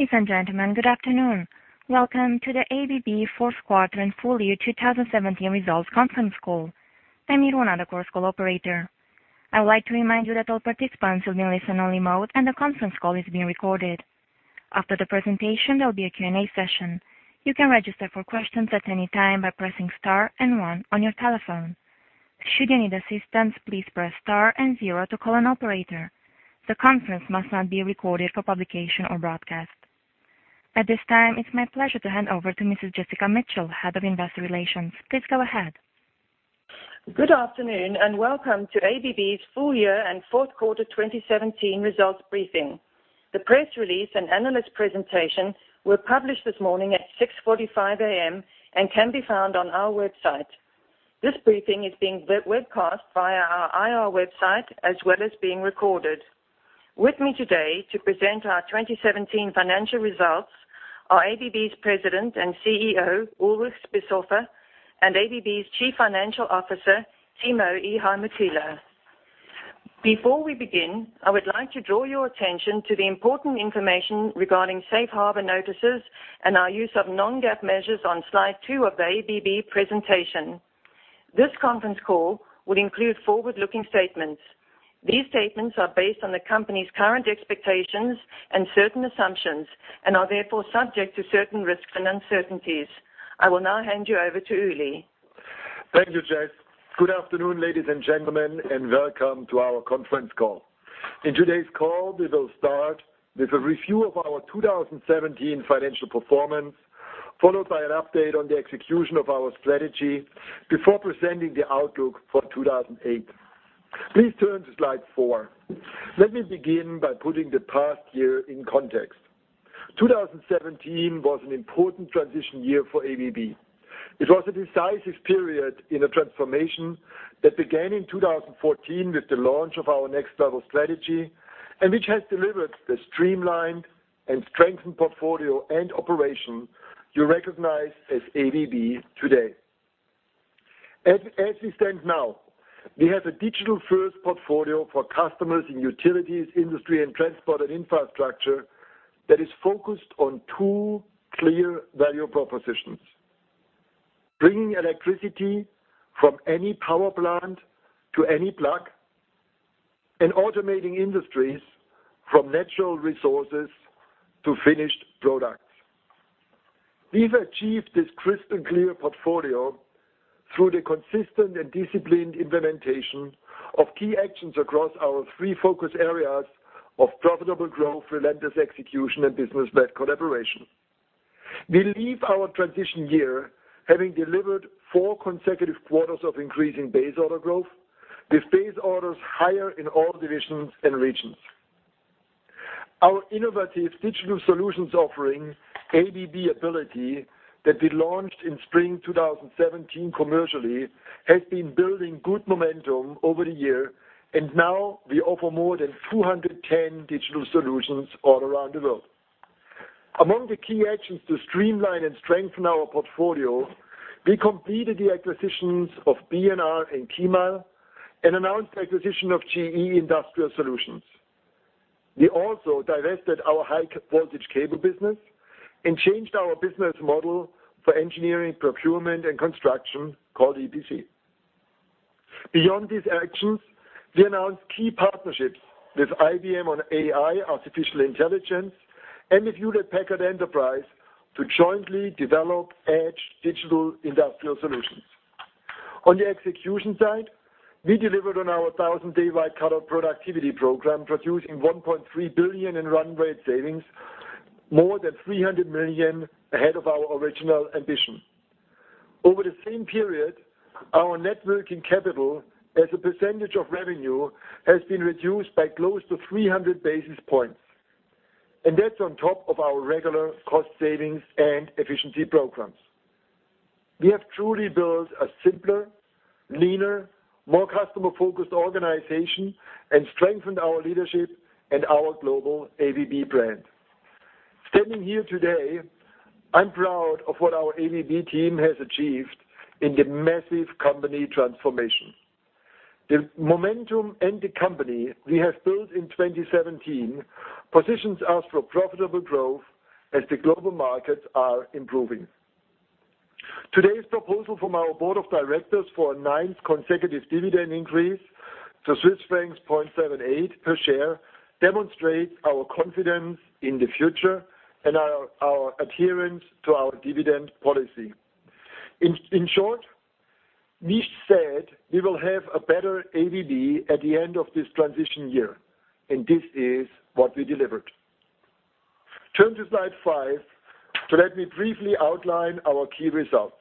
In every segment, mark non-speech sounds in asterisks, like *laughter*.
Ladies and gentlemen, good afternoon. Welcome to the ABB Fourth Quarter and Full Year 2017 Results conference call. I'm Irwana, the call operator. I would like to remind you that all participants will be in listen-only mode, and the conference call is being recorded. After the presentation, there'll be a Q&A session. You can register for questions at any time by pressing star and one on your telephone. Should you need assistance, please press star and zero to call an operator. The conference must not be recorded for publication or broadcast. At this time, it's my pleasure to hand over to Mrs. Jessica Mitchell, Head of Investor Relations. Please go ahead. Good afternoon and welcome to ABB's full year and fourth quarter 2017 results briefing. The press release and analyst presentation were published this morning at 6:45 A.M. and can be found on our website. This briefing is being webcast via our IR website, as well as being recorded. With me today to present our 2017 financial results are ABB's President and CEO, Ulrich Spiesshofer, and ABB's Chief Financial Officer, Timo Ihamuotila. Before we begin, I would like to draw your attention to the important information regarding safe harbor notices and our use of non-GAAP measures on slide two of the ABB presentation. This conference call will include forward-looking statements. These statements are based on the company's current expectations and certain assumptions and are therefore subject to certain risks and uncertainties. I will now hand you over to Uli. Thank you, Jess. Good afternoon, ladies and gentlemen. Welcome to our conference call. In today's call, we will start with a review of our 2017 financial performance, followed by an update on the execution of our strategy before presenting the outlook for 2018. Please turn to slide four. Let me begin by putting the past year in context. 2017 was an important transition year for ABB. It was a decisive period in a transformation that began in 2014 with the launch of our Next Level strategy, and which has delivered the streamlined and strengthened portfolio and operation you recognize as ABB today. As we stand now, we have a digital-first portfolio for customers in utilities, industry, and transport and infrastructure that is focused on two clear value propositions, bringing electricity from any power plant to any plug, and automating industries from natural resources to finished products. We've achieved this crystal-clear portfolio through the consistent and disciplined implementation of key actions across our three focus areas of profitable growth, relentless execution, and business-led collaboration. We leave our transition year having delivered four consecutive quarters of increasing base order growth with base orders higher in all divisions and regions. Our innovative digital solutions offering, ABB Ability, that we launched in spring 2017 commercially, has been building good momentum over the year, and now we offer more than 210 digital solutions all around the world. Among the key actions to streamline and strengthen our portfolio, we completed the acquisitions of B&R and KEYMILE and announced the acquisition of GE Industrial Solutions. We also divested our high-voltage cable business and changed our business model for engineering, procurement, and construction, called EPC. Beyond these actions, we announced key partnerships with IBM on AI, artificial intelligence, and with Hewlett Packard Enterprise to jointly develop edge digital industrial solutions. On the execution side, we delivered on our 1,000-day White Collar Productivity program, producing $1.3 billion in run rate savings, more than $300 million ahead of our original ambition. Over the same period, our net working capital as a percentage of revenue has been reduced by close to 300 basis points, and that's on top of our regular cost savings and efficiency programs. We have truly built a simpler, leaner, more customer-focused organization and strengthened our leadership and our global ABB brand. Standing here today, I'm proud of what our ABB team has achieved in the massive company transformation. The momentum and the company we have built in 2017 positions us for profitable growth as the global markets are improving. Today's proposal from our board of directors for a ninth consecutive dividend increase to Swiss francs 0.78 per share demonstrates our confidence in the future and our adherence to our dividend policy. In short, we said we will have a better ABB at the end of this transition year, and this is what we delivered. Turn to slide five to let me briefly outline our key results.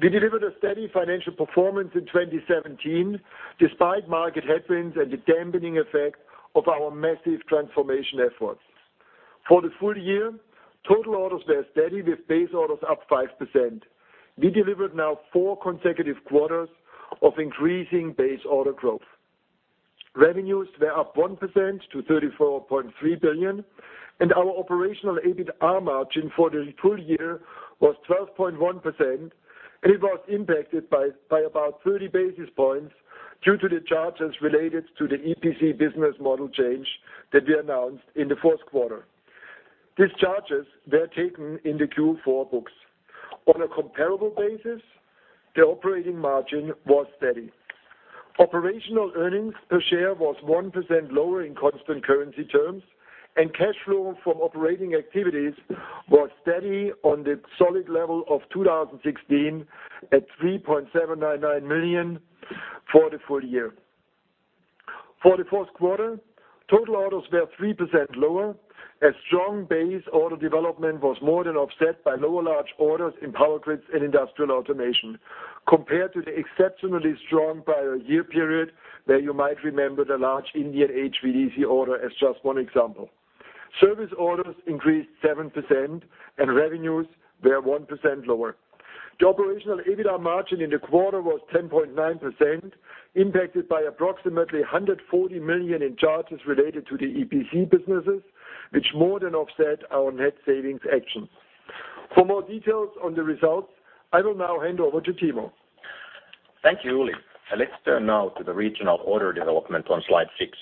We delivered a steady financial performance in 2017 despite market headwinds and the dampening effect of our massive transformation efforts. For the full year, total orders were steady with base orders up 5%. We delivered now four consecutive quarters of increasing base order growth. Revenues were up 1% to $34.3 billion. Our operational EBITA margin for the full year was 12.1%, and it was impacted by about 30 basis points due to the charges related to the EPC business model change that we announced in the fourth quarter. These charges were taken in the Q4 books. On a comparable basis, the operating margin was steady. Operational earnings per share was 1% lower in constant currency terms. Cash flow from operating activities was steady on the solid level of 2016 at $3.799 million for the full year. For the fourth quarter, total orders were 3% lower as strong base order development was more than offset by lower large orders in Power Grids and Industrial Automation compared to the exceptionally strong prior year period where you might remember the large Indian HVDC order as just one example. Service orders increased 7%. Revenues were 1% lower. The operational EBITDA margin in the quarter was 10.9%, impacted by approximately $140 million in charges related to the EPC businesses, which more than offset our net savings actions. For more details on the results, I will now hand over to Timo. Thank you, Uli. Let's turn now to the regional order development on slide six.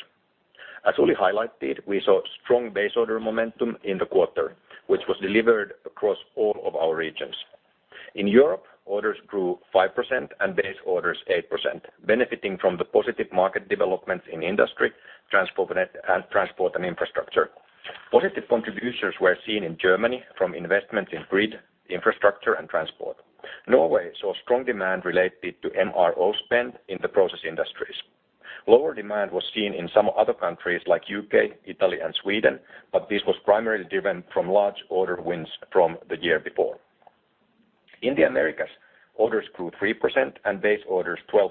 As Uli highlighted, we saw strong base order momentum in the quarter, which was delivered across all of our regions. In Europe, orders grew 5% and base orders 8%, benefiting from the positive market developments in industry, transport, and infrastructure. Positive contributions were seen in Germany from investment in grid, infrastructure, and transport. Norway saw strong demand related to MRO spend in the process industries. Lower demand was seen in some other countries like U.K., Italy, and Sweden, but this was primarily driven from large order wins from the year before. In the Americas, orders grew 3% and base orders 12%,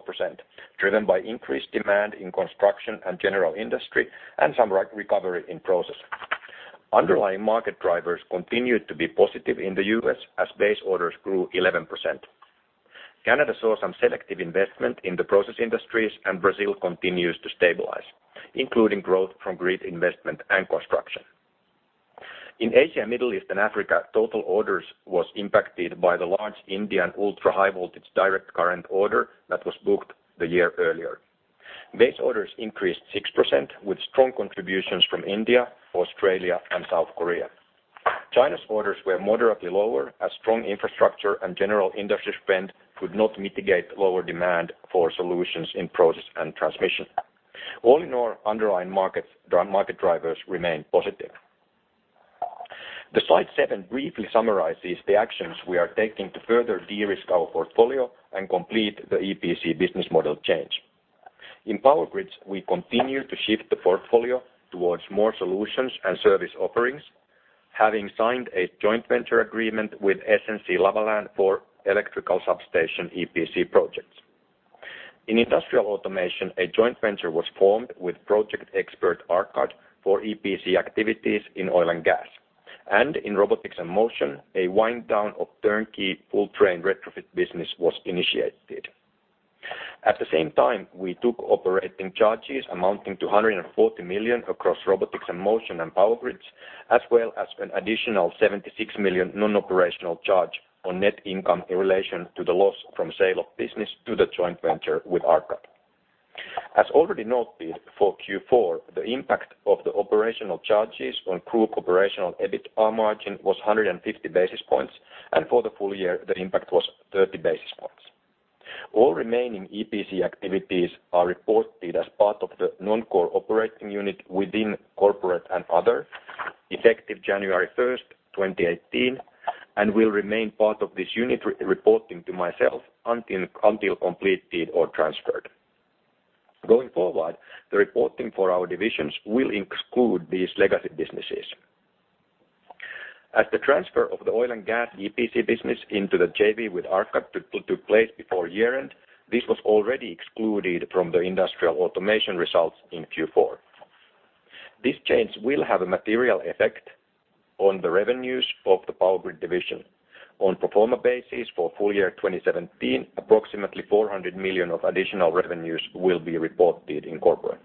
driven by increased demand in construction and general industry and some recovery in process. Underlying market drivers continued to be positive in the U.S. as base orders grew 11%. Canada saw some selective investment in the process industries. Brazil continues to stabilize, including growth from grid investment and construction. In Asia, Middle East, and Africa, total orders was impacted by the large Indian ultra-high voltage direct current order that was booked the year earlier. Base orders increased 6% with strong contributions from India, Australia, and South Korea. China's orders were moderately lower as strong infrastructure and general industry spend could not mitigate lower demand for solutions in process and transmission. All in all, underlying market drivers remain positive. The slide seven briefly summarizes the actions we are taking to further de-risk our portfolio and complete the EPC business model change. In Power Grids, we continue to shift the portfolio towards more solutions and service offerings, having signed a joint venture agreement with SNC-Lavalin for electrical substation EPC projects. In Industrial Automation, a joint venture was formed with project expert Arkad for EPC activities in oil and gas. In Robotics and Motion, a wind down of turnkey full-train retrofit business was initiated. At the same time, we took operating charges amounting to 140 million across Robotics and Motion and Power Grids, as well as an additional 76 million non-operational charge on net income in relation to the loss from sale of business to the joint venture with Arkad. As already noted for Q4, the impact of the operational charges on group operational EBITDA margin was 150 basis points, and for the full year, the impact was 30 basis points. All remaining EPC activities are reported as part of the non-core operating unit within Corporate and Other effective January 1st, 2018, and will remain part of this unit reporting to myself until completed or transferred. Going forward, the reporting for our divisions will exclude these legacy businesses. As the transfer of the oil and gas EPC business into the JV with Arkad took place before year-end, this was already excluded from the Industrial Automation results in Q4. This change will have a material effect on the revenues of the Power Grids division. On pro forma basis for full year 2017, approximately 400 million of additional revenues will be reported in Corporate.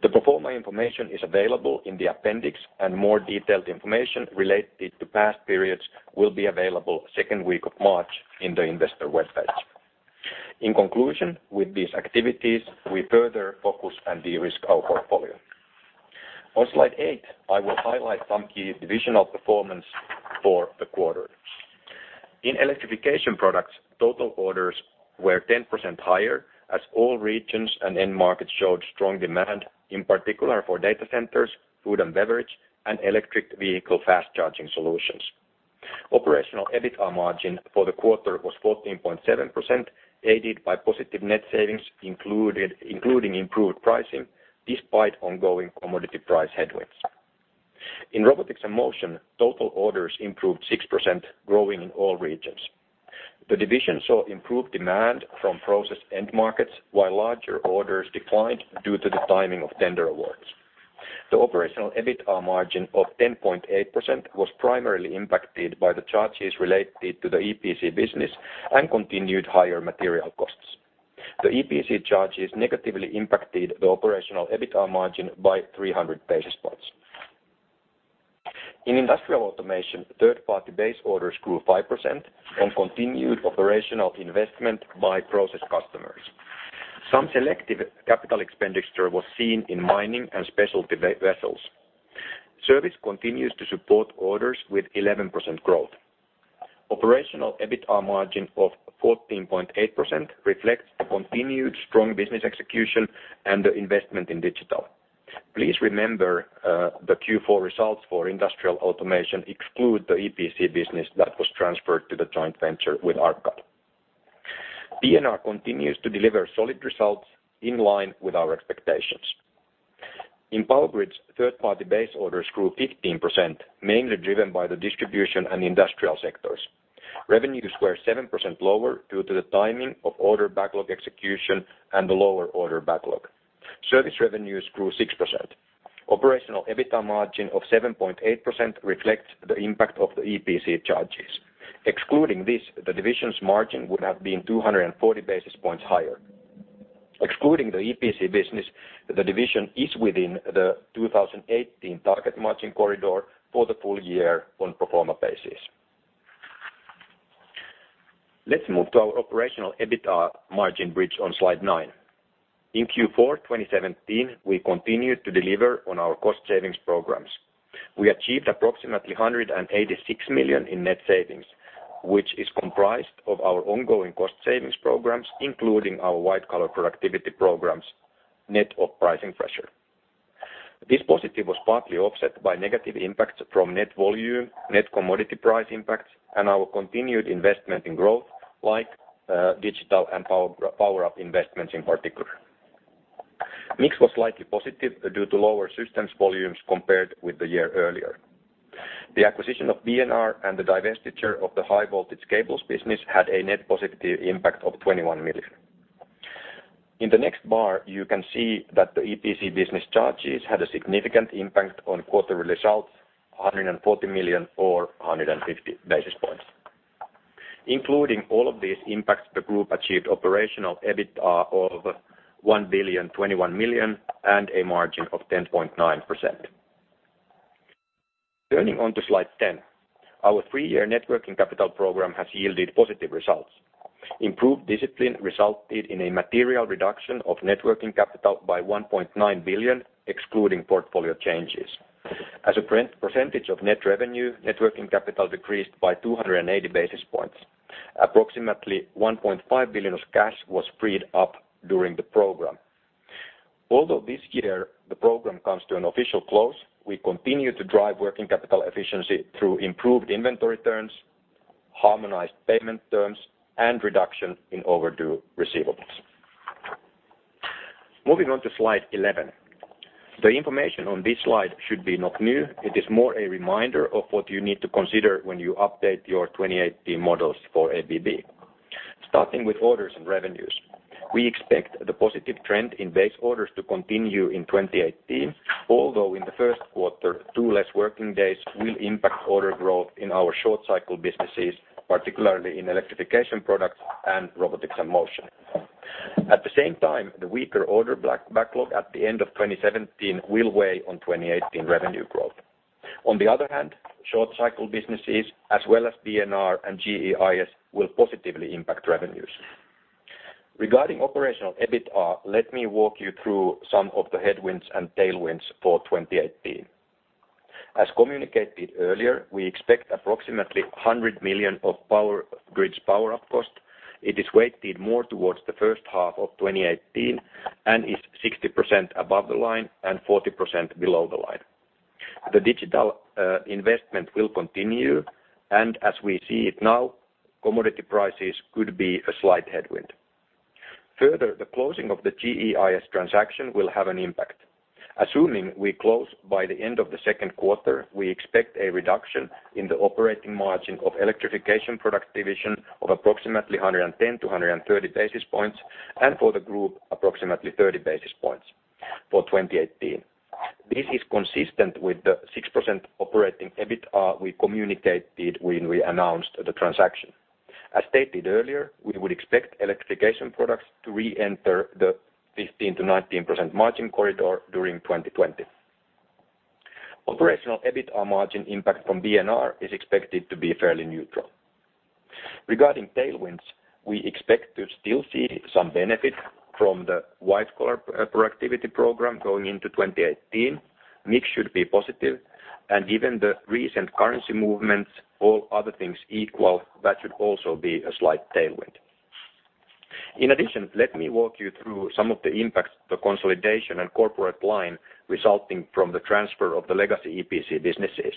The pro forma information is available in the appendix, and more detailed information related to past periods will be available second week of March in the investor website. In conclusion, with these activities, we further focus and de-risk our portfolio. On slide eight, I will highlight some key divisional performance for the quarter. In Electrification Products, total orders were 10% higher as all regions and end markets showed strong demand, in particular for data centers, food and beverage, and electric vehicle fast charging solutions. Operational EBITDA margin for the quarter was 14.7%, aided by positive net savings, including improved pricing despite ongoing commodity price headwinds. In Robotics and Motion, total orders improved 6%, growing in all regions. The division saw improved demand from process end markets, while larger orders declined due to the timing of tender awards. The operational EBITDA margin of 10.8% was primarily impacted by the charges related to the EPC business and continued higher material costs. The EPC charges negatively impacted the operational EBITDA margin by 300 basis points. In Industrial Automation, third-party base orders grew 5% on continued operational investment by process customers. Some selective capital expenditure was seen in mining and specialty vessels. Service continues to support orders with 11% growth. Operational EBITDA margin of 14.8% reflects continued strong business execution and investment in digital. Please remember, the Q4 results for Industrial Automation exclude the EPC business that was transferred to the joint venture with Arkad. B&R continues to deliver solid results in line with our expectations. In Power Grids, third-party base orders grew 15%, mainly driven by the distribution and industrial sectors. Revenues were 7% lower due to the timing of order backlog execution and the lower order backlog. Service revenues grew 6%. Operational EBITDA margin of 7.8% reflects the impact of the EPC charges. Excluding this, the division's margin would have been 240 basis points higher. Excluding the EPC business, the division is within the 2018 target margin corridor for the full year on pro forma basis. Let's move to our operational EBITDA margin bridge on slide nine. In Q4 2017, we continued to deliver on our cost savings programs. We achieved approximately 186 million in net savings, which is comprised of our ongoing cost savings programs, including our white-collar productivity programs, net of pricing pressure. This positive was partly offset by negative impacts from net volume, net commodity price impacts, and our continued investment in growth like digital and Power Up investments in particular. Mix was slightly positive due to lower systems volumes compared with the year earlier. The acquisition of B&R and the divestiture of the high voltage cables business had a net positive impact of 21 million. In the next bar, you can see that the EPC business charges had a significant impact on quarterly results, 140 million or 150 basis points. Including all of these impacts, the group achieved operational EBITDA of 1 billion, 21 million and a margin of 10.9%. Turning onto slide 10. Our three-year net working capital program has yielded positive results. Improved discipline resulted in a material reduction of net working capital by 1.9 billion, excluding portfolio changes. As a percentage of net revenue, net working capital decreased by 280 basis points. Approximately 1.5 billion of cash was freed up during the program. Although this year the program comes to an official close, we continue to drive working capital efficiency through improved inventory turns, harmonized payment terms, and reduction in overdue receivables. Moving on to slide 11. The information on this slide should be not new. It is more a reminder of what you need to consider when you update your 2018 models for ABB. Starting with orders and revenues. We expect the positive trend in base orders to continue in 2018, although in the first quarter, two less working days will impact order growth in our short cycle businesses, particularly in Electrification Products and Robotics and Motion. At the same time, the weaker order backlog at the end of 2017 will weigh on 2018 revenue growth. On the other hand, short cycle businesses, as well as B&R and GEIS, will positively impact revenues. Regarding operational EBITDA, let me walk you through some of the headwinds and tailwinds for 2018. As communicated earlier, we expect approximately 100 million of Power Grids' Power Up cost. It is weighted more towards the first half of 2018 and is 60% above the line and 40% below the line. The digital investment will continue, and as we see it now, commodity prices could be a slight headwind. Further, the closing of the GEIS transaction will have an impact. Assuming we close by the end of the second quarter, we expect a reduction in the operating margin of Electrification Products division of approximately 110-130 basis points, and for the group, approximately 30 basis points for 2018. This is consistent with the 6% operating EBITDA we communicated when we announced the transaction. As stated earlier, we would expect Electrification Products to reenter the 15%-19% margin corridor during 2020. Operational EBITDA margin impact from B&R is expected to be fairly neutral. Regarding tailwinds, we expect to still see some benefit from the white-collar productivity program going into 2018. Mix should be positive and even the recent currency movements, all other things equal, that should also be a slight tailwind. In addition, let me walk you through some of the impacts the consolidation and corporate line resulting from the transfer of the legacy EPC businesses.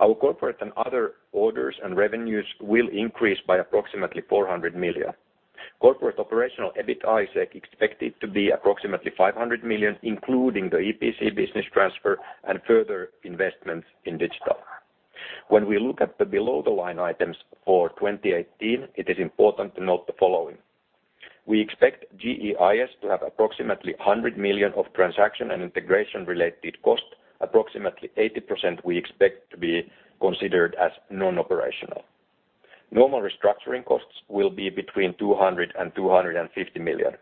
Our corporate and other orders and revenues will increase by approximately 400 million. Corporate operational EBITDA is expected to be approximately 500 million, including the EPC business transfer and further investments in digital. When we look at the below the line items for 2018, it is important to note the following. We expect GEIS to have approximately 100 million of transaction and integration-related cost, approximately 80% we expect to be considered as non-operational. Normal restructuring costs will be between 200 million and 250 million.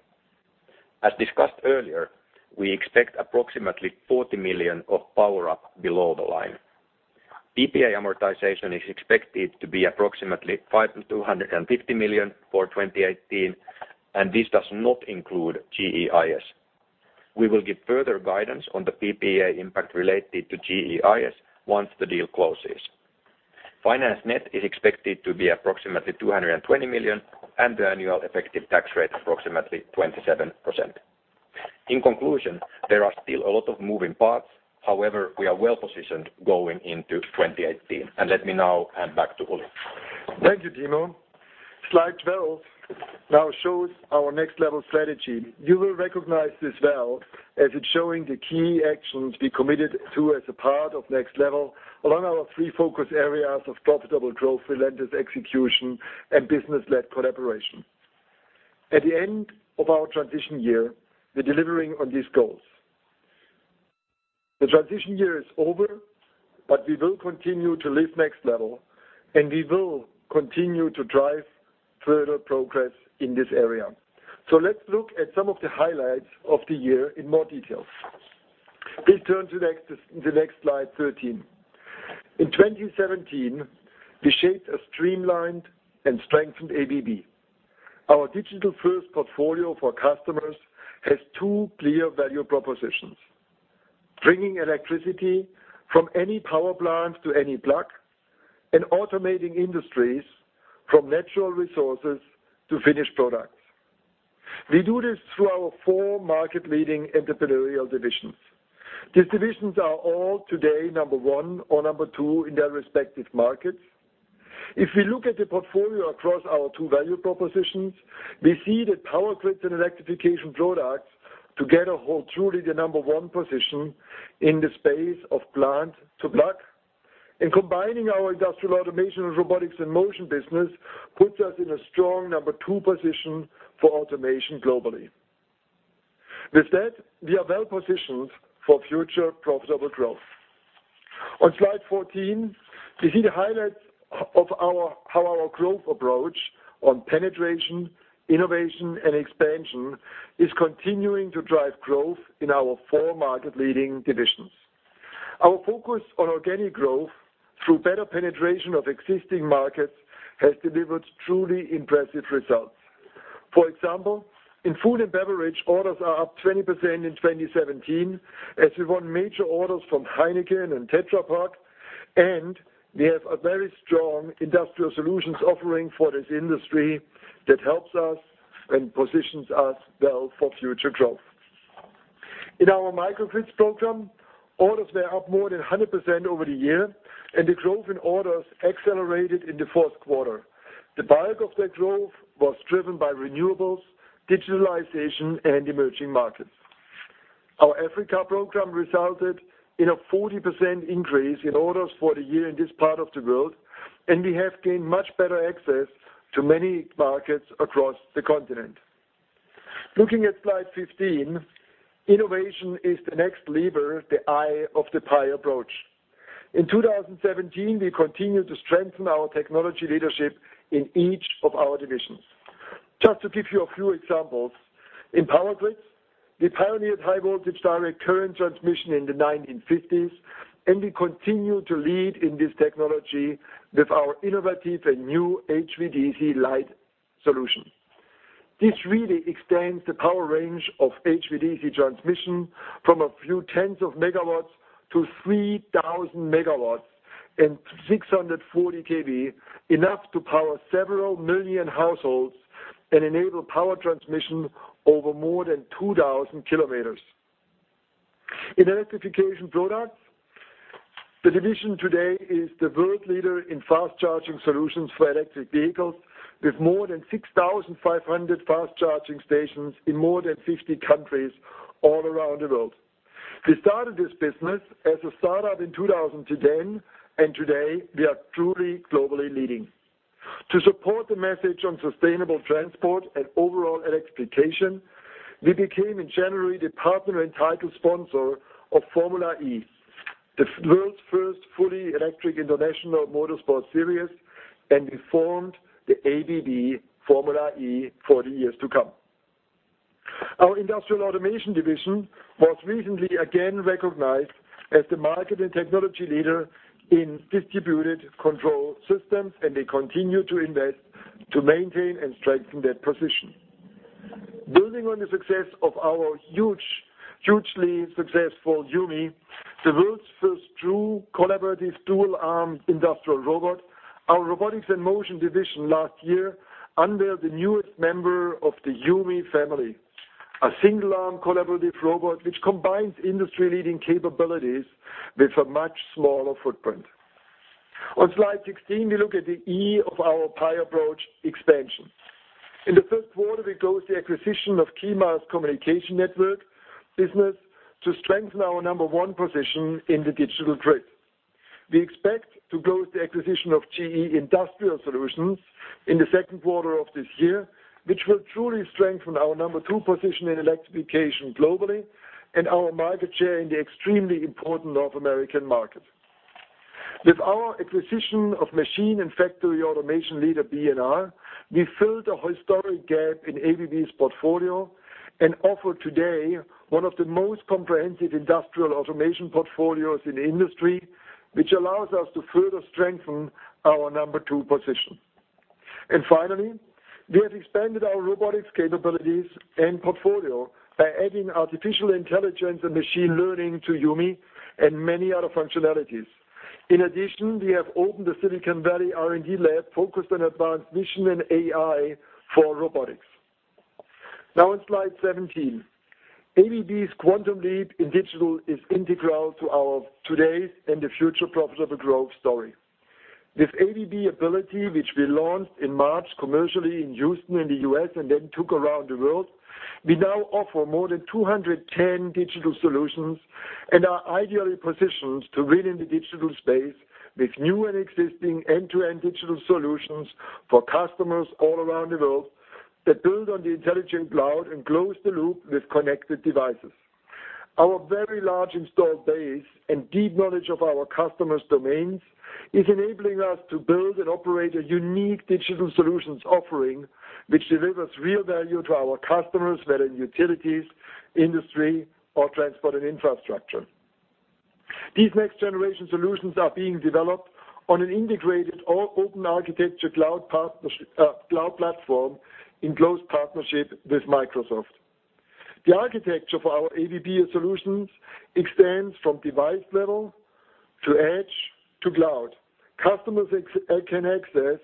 As discussed earlier, we expect approximately 40 million of Power Up below the line. PPA amortization is expected to be approximately 5 million to 250 million for 2018, and this does not include GEIS. We will give further guidance on the PPA impact related to GEIS once the deal closes. Finance net is expected to be approximately 220 million, and the annual effective tax rate approximately 27%. In conclusion, there are still a lot of moving parts. However, we are well-positioned going into 2018. Let me now hand back to Ulrich. Thank you, Timo. Slide 12 now shows our Next Level strategy. You will recognize this well as it's showing the key actions we committed to as a part of Next Level along our three focus areas of profitable growth, relentless execution, and business-led collaboration. At the end of our transition year, we're delivering on these goals. The transition year is over, but we will continue to live Next Level, and we will continue to drive further progress in this area. Let's look at some of the highlights of the year in more details. Please turn to the next slide 13. In 2017, we shaped a streamlined and strengthened ABB. Our digital-first portfolio for customers has two clear value propositions, bringing electricity from any power plant to any plug, and automating industries from natural resources to finished products. We do this through our four market leading entrepreneurial divisions. These divisions are all today number one or number two in their respective markets. If we look at the portfolio across our two value propositions, we see that Power Grids and Electrification Products together hold truly the number one position in the space of plant to plug. Combining our Industrial Automation and Robotics and Motion business puts us in a strong number two position for automation globally. With that, we are well-positioned for future profitable growth. On slide 14, we see the highlights of how our growth approach on Penetration, Innovation, and Expansion is continuing to drive growth in our four market leading divisions. Our focus on organic growth through better penetration of existing markets has delivered truly impressive results. For example, in food and beverage, orders are up 20% in 2017 as we won major orders from Heineken and Tetra Pak, and we have a very strong industrial solutions offering for this industry that helps us and positions us well for future growth. In our microgrids program, orders were up more than 100% over the year, and the growth in orders accelerated in the fourth quarter. The bulk of that growth was driven by renewables, digitalization, and emerging markets. Our Africa program resulted in a 40% increase in orders for the year in this part of the world, and we have gained much better access to many markets across the continent. Looking at slide 15, Innovation is the next lever, the I of the PI approach. In 2017, we continued to strengthen our technology leadership in each of our divisions. Just to give you a few examples, in Power Grids, we pioneered high voltage direct current transmission in the 1950s, and we continue to lead in this technology with our innovative and new HVDC Light solution. This really extends the power range of HVDC transmission from a few tens of megawatts to 3,000 megawatts and 640 kV, enough to power several million households and enable power transmission over more than 2,000 kilometers. In Electrification Products, the division today is the world leader in fast-charging solutions for electric vehicles with more than 6,500 fast charging stations in more than 50 countries all around the world. We started this business as a startup in 2010, and today we are truly globally leading. To support the message on sustainable transport and overall electrification, we became in January the partner and title sponsor of Formula E, the world's first fully electric international motorsport series, and we formed the ABB Formula E for the years to come. Our Industrial Automation division was recently again recognized as the market and technology leader in distributed control systems, and they continue to invest to maintain and strengthen that position. Building on the success of our hugely successful YuMi, the world's first true collaborative dual-armed industrial robot, our Robotics and Motion division last year unveiled the newest member of the YuMi family, a single-arm collaborative robot which combines industry-leading capabilities with a much smaller footprint. On slide 16, we look at the E of our PI approach expansion. In the first quarter, we closed the acquisition of KEYMILE's communication network business to strengthen our number one position in the digital grid. We expect to close the acquisition of GE Industrial Solutions in the second quarter of this year, which will truly strengthen our number two position in electrification globally and our market share in the extremely important North American market. With our acquisition of machine and factory automation leader B&R, we filled a historic gap in ABB's portfolio and offer today one of the most comprehensive industrial automation portfolios in the industry, which allows us to further strengthen our number two position. Finally, we have expanded our robotics capabilities and portfolio by adding artificial intelligence and machine learning to YuMi and many other functionalities. In addition, we have opened the Silicon Valley R&D lab focused on advanced vision and AI for robotics. On slide 17. ABB's quantum leap in digital is integral to our today's and the future profitable growth story. With ABB Ability, which we launched in March commercially in Houston in the U.S. and then took around the world, we now offer more than 210 digital solutions and are ideally positioned to win in the digital space with new and existing end-to-end digital solutions for customers all around the world that build on the intelligent cloud and close the loop with connected devices. Our very large installed base and deep knowledge of our customers' domains is enabling us to build and operate a unique digital solutions offering, which delivers real value to our customers, whether in utilities, industry, or transport and infrastructure. These next-generation solutions are being developed on an integrated open architecture cloud platform in close partnership with Microsoft. The architecture for our ABB solutions extends from device level to edge to cloud. Customers can access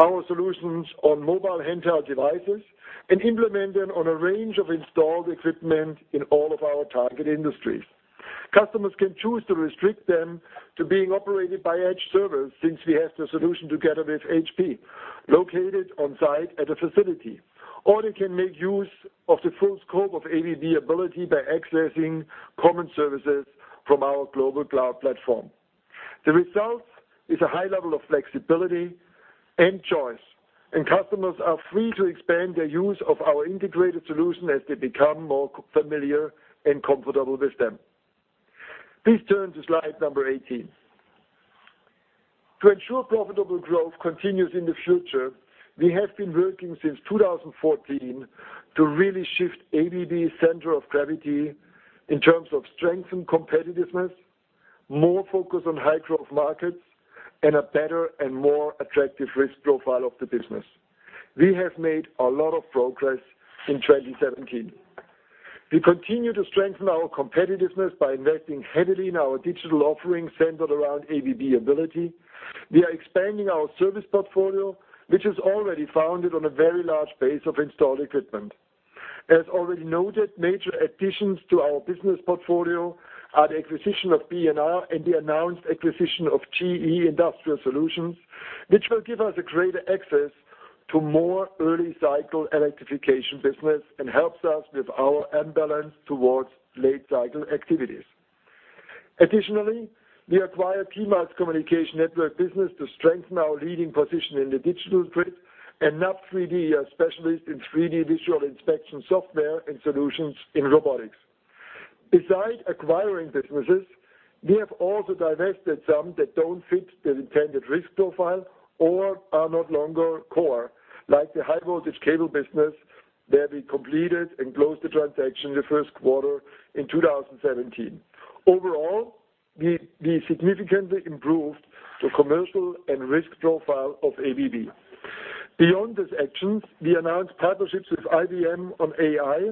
our solutions on mobile handheld devices and implement them on a range of installed equipment in all of our target industries. Customers can choose to restrict them to being operated by edge servers, since we have the solution together with HPE, located on-site at a facility. They can make use of the full scope of ABB Ability by accessing common services from our global cloud platform. The result is a high level of flexibility and choice, and customers are free to expand their use of our integrated solution as they become more familiar and comfortable with them. Please turn to slide number 18. To ensure profitable growth continues in the future, we have been working since 2014 to really shift ABB's center of gravity in terms of strength and competitiveness, more focus on high-growth markets, and a better and more attractive risk profile of the business. We have made a lot of progress in 2017. We continue to strengthen our competitiveness by investing heavily in our digital offerings centered around ABB Ability. We are expanding our service portfolio, which is already founded on a very large base of installed equipment. As already noted, major additions to our business portfolio are the acquisition of B&R and the announced acquisition of GE Industrial Solutions, which will give us a greater access to more early-cycle electrification business and helps us with our imbalance towards late-cycle activities. Additionally, we acquired KEYMILE Communication Network business to strengthen our leading position in the digital grid, and NUB3D, a specialist in 3D visual inspection software and solutions in robotics. Besides acquiring businesses, we have also divested some that don't fit the intended risk profile or are no longer core, like the high-voltage cable business that we completed and closed the transaction in the first quarter in 2017. Overall, we significantly improved the commercial and risk profile of ABB. Beyond these actions, we announced partnerships with IBM on AI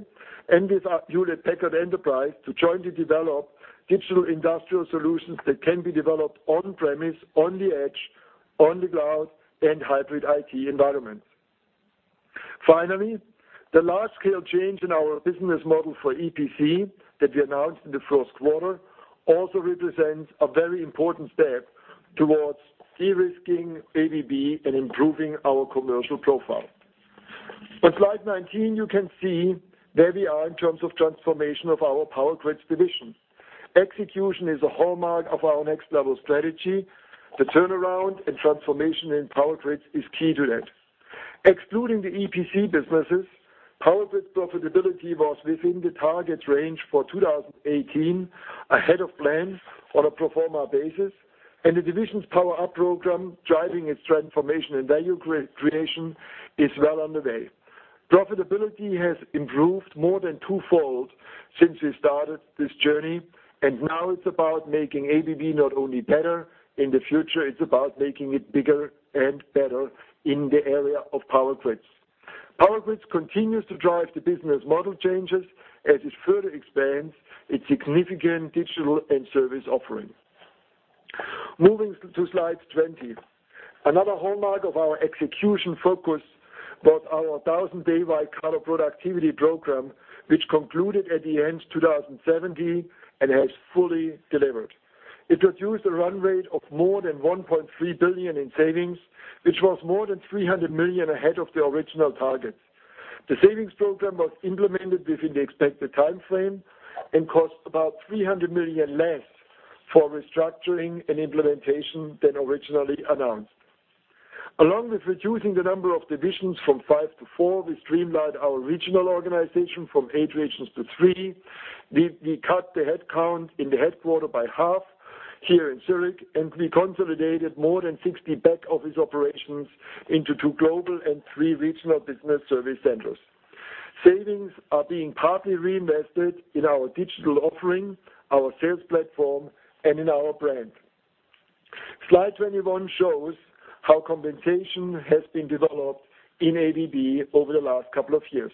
and with Hewlett Packard Enterprise to jointly develop digital industrial solutions that can be developed on-premise, on the edge, on the cloud, and hybrid IT environments. Finally, the large-scale change in our business model for EPC that we announced in the first quarter also represents a very important step towards de-risking ABB and improving our commercial profile. On slide 19, you can see where we are in terms of transformation of our Power Grids division. Execution is a hallmark of our Next Level strategy. The turnaround and transformation in Power Grids is key to that. Excluding the EPC businesses, Power Grids profitability was within the target range for 2018, ahead of plan on a pro forma basis, and the division's Power Up program, driving its transformation and value creation, is well underway. Profitability has improved more than twofold since we started this journey, and now it's about making ABB not only better in the future, it's about making it bigger and better in the area of Power Grids. Power Grids continues to drive the business model changes as it further expands its significant digital and service offerings. Moving to slide 20. Another hallmark of our execution focus was our 1,000-day white-collar productivity program, which concluded at the end of 2017 and has fully delivered. It reduced a run rate of more than $1.3 billion in savings, which was more than 300 million ahead of the original target. The savings program was implemented within the expected timeframe and cost about 300 million less for restructuring and implementation than originally announced. Along with reducing the number of divisions from 5 to 4, we streamlined our regional organization from 8 regions to 3. We cut the headcount in the headquarters by half here in Zurich, and we consolidated more than 60 back-office operations into 2 global and 3 regional business service centers. Savings are being partly reinvested in our digital offering, our sales platform, and in our brand. Slide 21 shows how compensation has been developed in ABB over the last couple of years.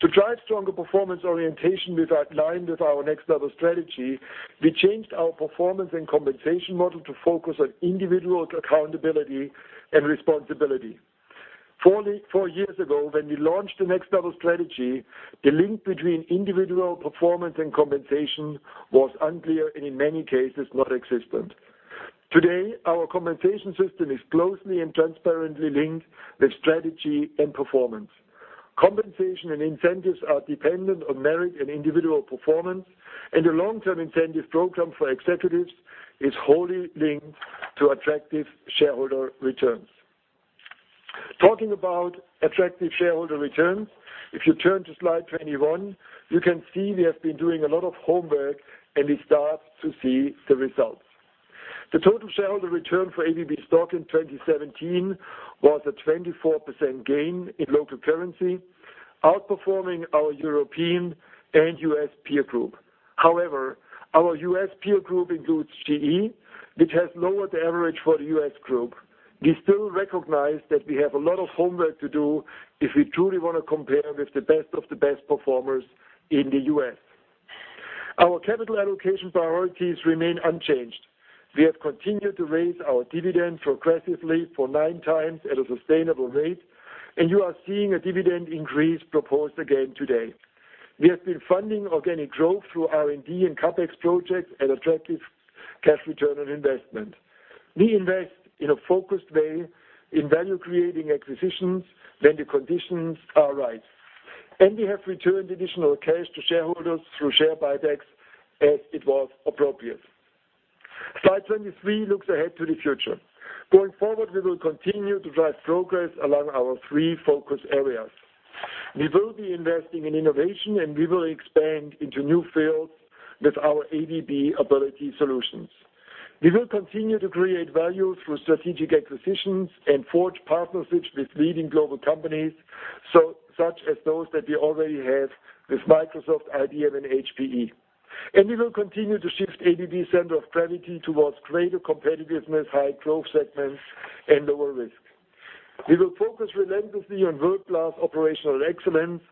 To drive stronger performance orientation with our line, with our Next Level strategy, we changed our performance and compensation model to focus on individual accountability and responsibility. Four years ago, when we launched the Next Level strategy, the link between individual performance and compensation was unclear, and in many cases, non-existent. Today, our compensation system is closely and transparently linked with strategy and performance. Compensation and incentives are dependent on merit and individual performance, and the long-term incentive program for executives is wholly linked to attractive shareholder returns. Talking about attractive shareholder returns, if you turn to slide 21, you can see we have been doing a lot of homework, and we start to see the results. The total shareholder return for ABB stock in 2017 was a 24% gain in local currency, outperforming our European and U.S. peer group. Our U.S. peer group includes GE, which has lowered the average for the U.S. group. We still recognize that we have a lot of homework to do if we truly want to compare with the best of the best performers in the U.S. Our capital allocation priorities remain unchanged. We have continued to raise our dividends progressively for nine times at a sustainable rate. You are seeing a dividend increase proposed again today. We have been funding organic growth through R&D and CapEx projects and attractive cash return on investment. We invest in a focused way in value-creating acquisitions when the conditions are right. We have returned additional cash to shareholders through share buybacks as it was appropriate. Slide 23 looks ahead to the future. Going forward, we will continue to drive progress along our three focus areas. We will be investing in innovation. We will expand into new fields with our ABB Ability solutions. We will continue to create value through strategic acquisitions and forge partnerships with leading global companies, such as those that we already have with Microsoft, IBM, and HPE. We will continue to shift ABB center of gravity towards greater competitiveness, high growth segments, and lower risk. We will focus relentlessly on world-class operational excellence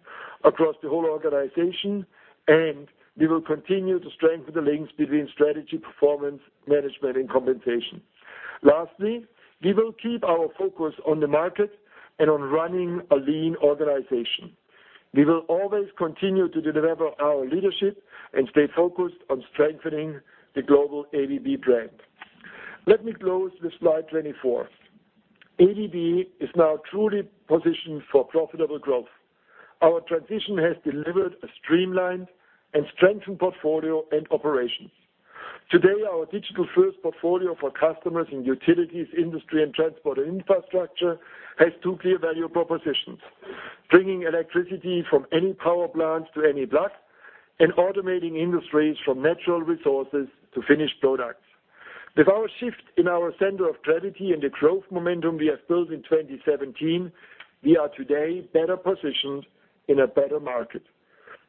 across the whole organization. We will continue to strengthen the links between strategy, performance, management, and compensation. We will keep our focus on the market and on running a lean organization. We will always continue to deliver our leadership and stay focused on strengthening the global ABB brand. Let me close with slide 24. ABB is now truly positioned for profitable growth. Our transition has delivered a streamlined and strengthened portfolio and operations. Today, our digital-first portfolio for customers in utilities, industry, and transport and infrastructure has two clear value propositions: bringing electricity from any power plant to any block and automating industries from natural resources to finished products. With our shift in our center of gravity and the growth momentum we have built in 2017, we are today better positioned in a better market.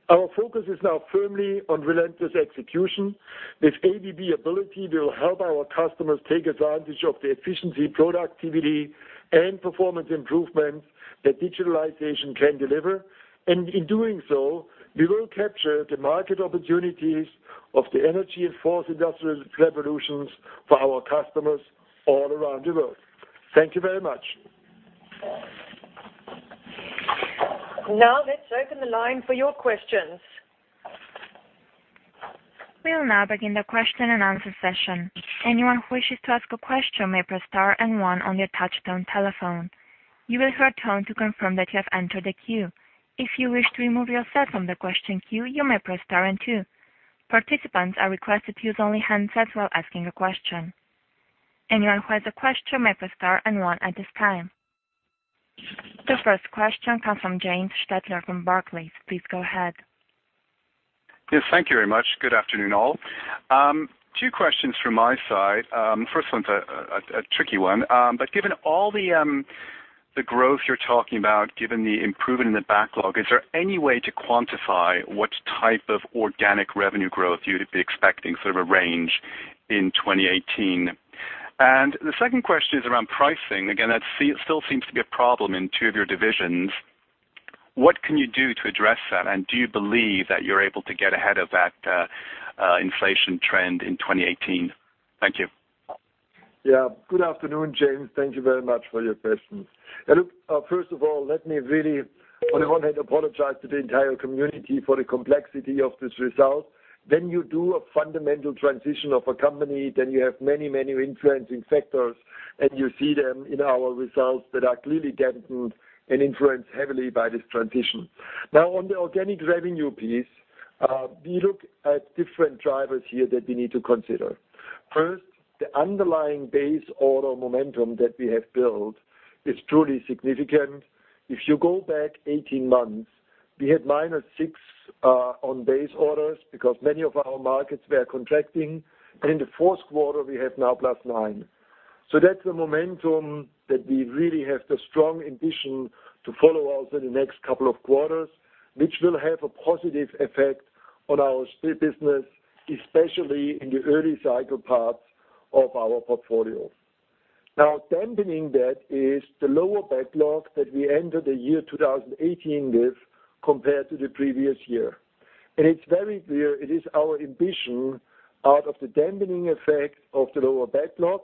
Our focus is now firmly on relentless execution. With ABB Ability, we will help our customers take advantage of the efficiency, productivity, and performance improvements that digitalization can deliver. In doing so, we will capture the market opportunities of the energy and fourth industrial revolutions for our customers all around the world. Thank you very much. Let's open the line for your questions. We will now begin the question and answer session. Anyone who wishes to ask a question may press star and one on your touchtone telephone. You will hear a tone to confirm that you have entered the queue. If you wish to remove yourself from the question queue, you may press star and two. Participants are requested to use only handsets while asking a question. Anyone who has a question may press star and one at this time. The first question comes from James Stettler from Barclays. Please go ahead. Yes, thank you very much. Good afternoon, all. Two questions from my side. First one's a tricky one. Given all the growth you're talking about, given the improvement in the backlog, is there any way to quantify what type of organic revenue growth you'd be expecting, sort of a range, in 2018? The second question is around pricing. Again, that still seems to be a problem in two of your divisions. What can you do to address that, and do you believe that you're able to get ahead of that inflation trend in 2018? Thank you. Yeah. Good afternoon, James. Thank you very much for your questions. Look, first of all, let me really, on the one hand, apologize to the entire community for the complexity of this result. When you do a fundamental transition of a company, then you have many influencing factors, and you see them in our results that are clearly dampened and influenced heavily by this transition. On the organic revenue piece. We look at different drivers here that we need to consider. First, the underlying base order momentum that we have built is truly significant. If you go back 18 months, we had minus six on base orders because many of our markets were contracting. In the fourth quarter, we have now plus nine. That's the momentum that we really have the strong ambition to follow over the next couple of quarters, which will have a positive effect on our business, especially in the early cycle parts of our portfolio. Dampening that is the lower backlog that we ended the year 2018 with compared to the previous year. It's very clear it is our ambition, out of the dampening effect of the lower backlog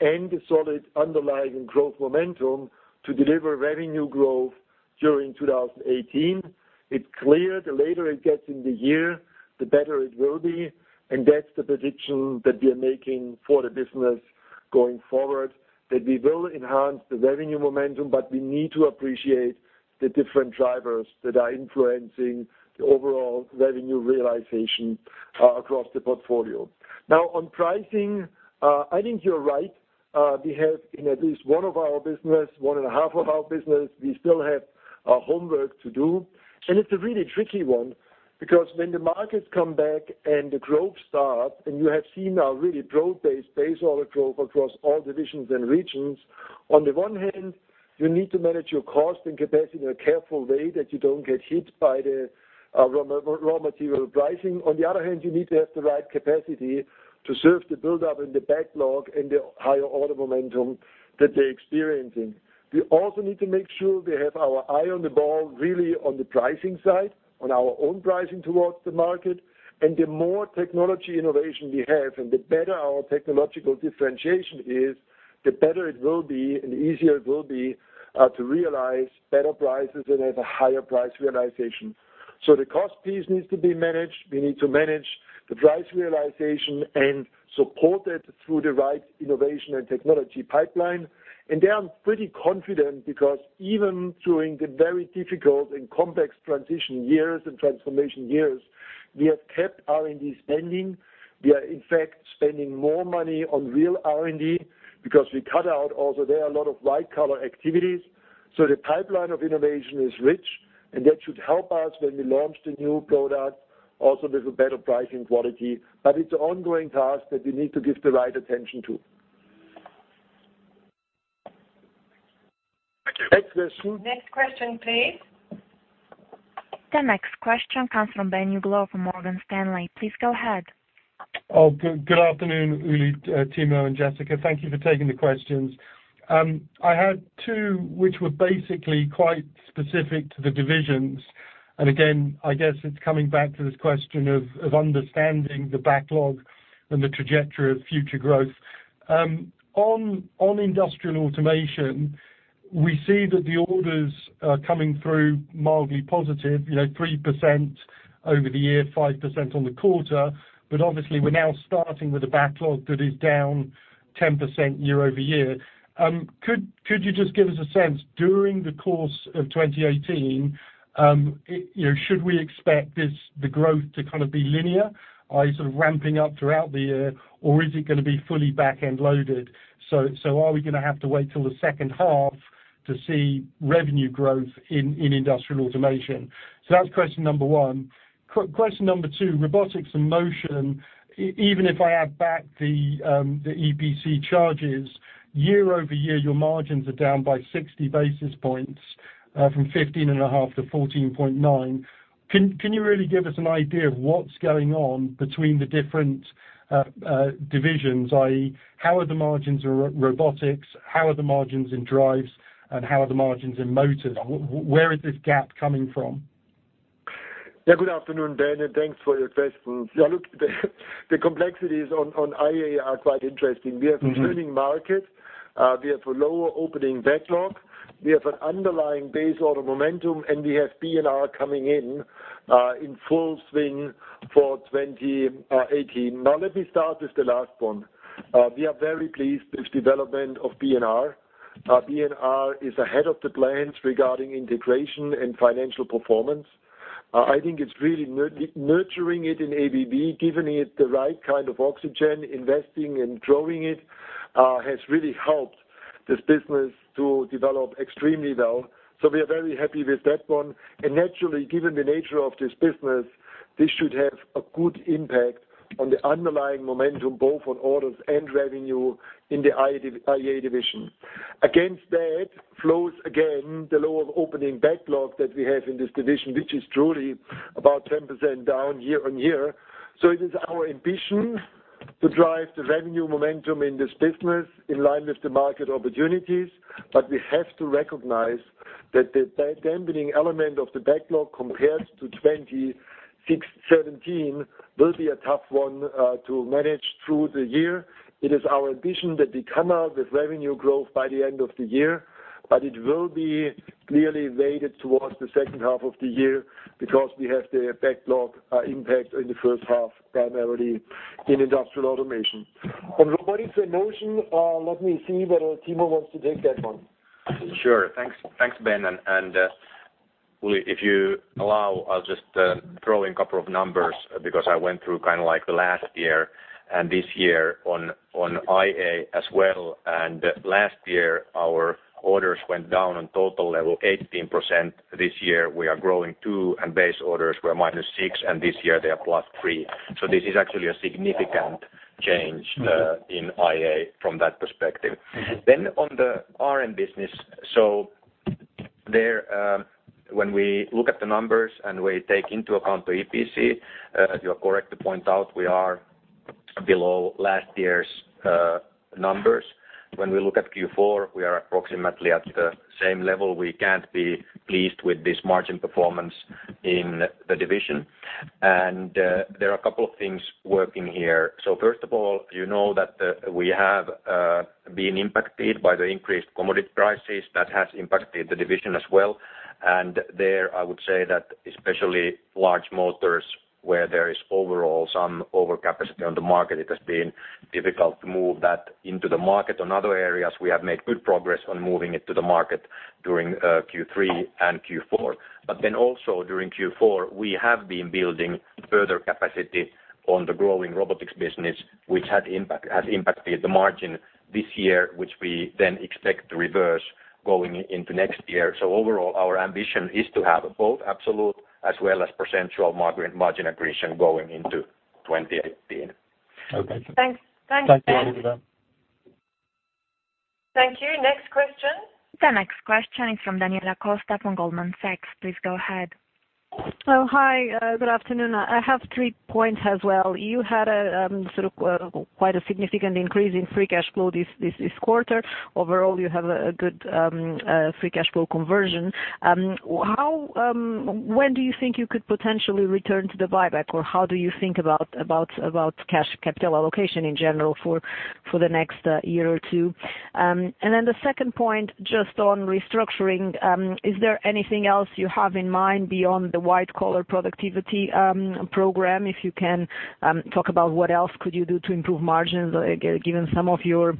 and the solid underlying growth momentum, to deliver revenue growth during 2018. It's clear the later it gets in the year, the better it will be, and that's the prediction that we are making for the business going forward, that we will enhance the revenue momentum. We need to appreciate the different drivers that are influencing the overall revenue realization across the portfolio. On pricing, I think you're right. We have in at least one of our business, one and a half of our business, we still have our homework to do. It's a really tricky one, because when the markets come back and the growth starts, and you have seen our really broad-based base order growth across all divisions and regions, on the one hand, you need to manage your cost and capacity in a careful way that you don't get hit by the raw material pricing. On the other hand, you need to have the right capacity to serve the buildup and the backlog and the higher order momentum that they're experiencing. We also need to make sure we have our eye on the ball really on the pricing side, on our own pricing towards the market. The more technology innovation we have and the better our technological differentiation is, the better it will be and the easier it will be, to realize better prices and have a higher price realization. The cost piece needs to be managed. We need to manage the price realization and support it through the right innovation and technology pipeline. And there, I'm pretty confident because even during the very difficult and complex transition years and transformation years, we have kept R&D spending. We are in fact spending more money on real R&D because we cut out also there a lot of white-collar activities. The pipeline of innovation is rich, and that should help us when we launch the new product also with a better pricing quality. It's an ongoing task that we need to give the right attention to. Thank you. Next question. Next question, please. The next question comes from Ben Uglow from Morgan Stanley. Please go ahead. Oh, good afternoon, Uli, Timo, and Jessica. Thank you for taking the questions. I had two which were basically quite specific to the divisions, and again, I guess it's coming back to this question of understanding the backlog and the trajectory of future growth. On Industrial Automation, we see that the orders are coming through mildly positive, 3% over the year, 5% on the quarter, but obviously we're now starting with a backlog that is down 10% year-over-year. Could you just give us a sense during the course of 2018, should we expect the growth to kind of be linear, i.e. sort of ramping up throughout the year, or is it going to be fully back-end loaded? Are we going to have to wait till the second half to see revenue growth in Industrial Automation? That's question number one. Question number 2, Robotics and Motion, even if I add back the EPC charges, year-over-year, your margins are down by 60 basis points, from 15.5% to 14.9%. Can you really give us an idea of what's going on between the different divisions? I.e. how are the margins in Robotics? How are the margins in Drives? How are the margins in Motors? Where is this gap coming from? Good afternoon, Ben, and thanks for your questions. Look, the complexities on IA are quite interesting. We have a turning market. We have a lower opening backlog. We have an underlying base order momentum, and we have B&R coming in full swing for 2018. Let me start with the last one. We are very pleased with development of B&R. B&R is ahead of the plans regarding integration and financial performance. I think it's really nurturing it in ABB, giving it the right kind of oxygen, investing and growing it, has really helped this business to develop extremely well. We are very happy with that one. Naturally, given the nature of this business, this should have a good impact on the underlying momentum, both on orders and revenue in the IA division. Against that, flows again, the lower opening backlog that we have in this division, which is truly about 10% down year-on-year. It is our ambition to drive the revenue momentum in this business in line with the market opportunities. We have to recognize that the dampening element of the backlog compared to 2017 will be a tough one to manage through the year. It is our ambition that we come out with revenue growth by the end of the year, but it will be clearly weighted towards the second half of the year because we have the backlog impact in the first half, primarily in Industrial Automation. On Robotics and Motion, let me see whether Timo wants to take that one. Sure. Thanks, Ben. Uli, if you allow, I'll just throw in couple of numbers because I went through the last year and this year on IA as well. Last year our orders went down on total level 18%. This year we are growing two and base orders were minus six, and this year they are plus three. This is actually a significant change in IA from that perspective. On the RM business. There, when we look at the numbers and we take into account the EPC, you are correct to point out we are below last year's numbers. When we look at Q4, we are approximately at the same level. We can't be pleased with this margin performance in the division. There are a couple of things working here. First of all, you know that we have been impacted by the increased commodity prices. That has impacted the division as well. There, I would say that especially large motors, where there is overall some overcapacity on the market, it has been difficult to move that into the market. On other areas, we have made good progress on moving it to the market during Q3 and Q4. Also during Q4, we have been building further capacity on the growing robotics business, which has impacted the margin this year, which we then expect to reverse going into next year. Overall, our ambition is to have both absolute as well as percentual margin accretion going into 2018. Okay. Thanks. Thank you. *inaudible* Thank you. Next question. The next question is from Daniela Costa from Goldman Sachs. Please go ahead. Hi. Good afternoon. I have three points as well. You had quite a significant increase in free cash flow this quarter. Overall, you have a good free cash flow conversion. When do you think you could potentially return to the buyback, or how do you think about cash capital allocation in general for the next year or two? The second point, just on restructuring. Is there anything else you have in mind beyond the White Collar Productivity program? If you can talk about what else could you do to improve margins, given some of your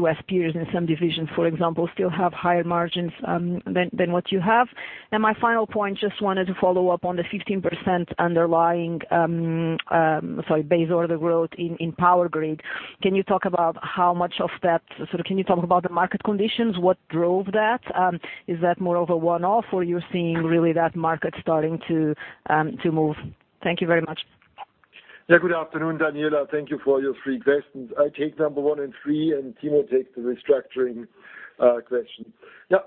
U.S. peers in some divisions, for example, still have higher margins than what you have. My final point, just wanted to follow up on the 15% underlying, sorry, base order growth in Power Grids. Can you talk about the market conditions? What drove that? Is that more of a one-off or you are seeing really that market starting to move? Thank you very much. Good afternoon, Daniela. Thank you for your three questions. I take number 1 and 3, and Timo takes the restructuring question.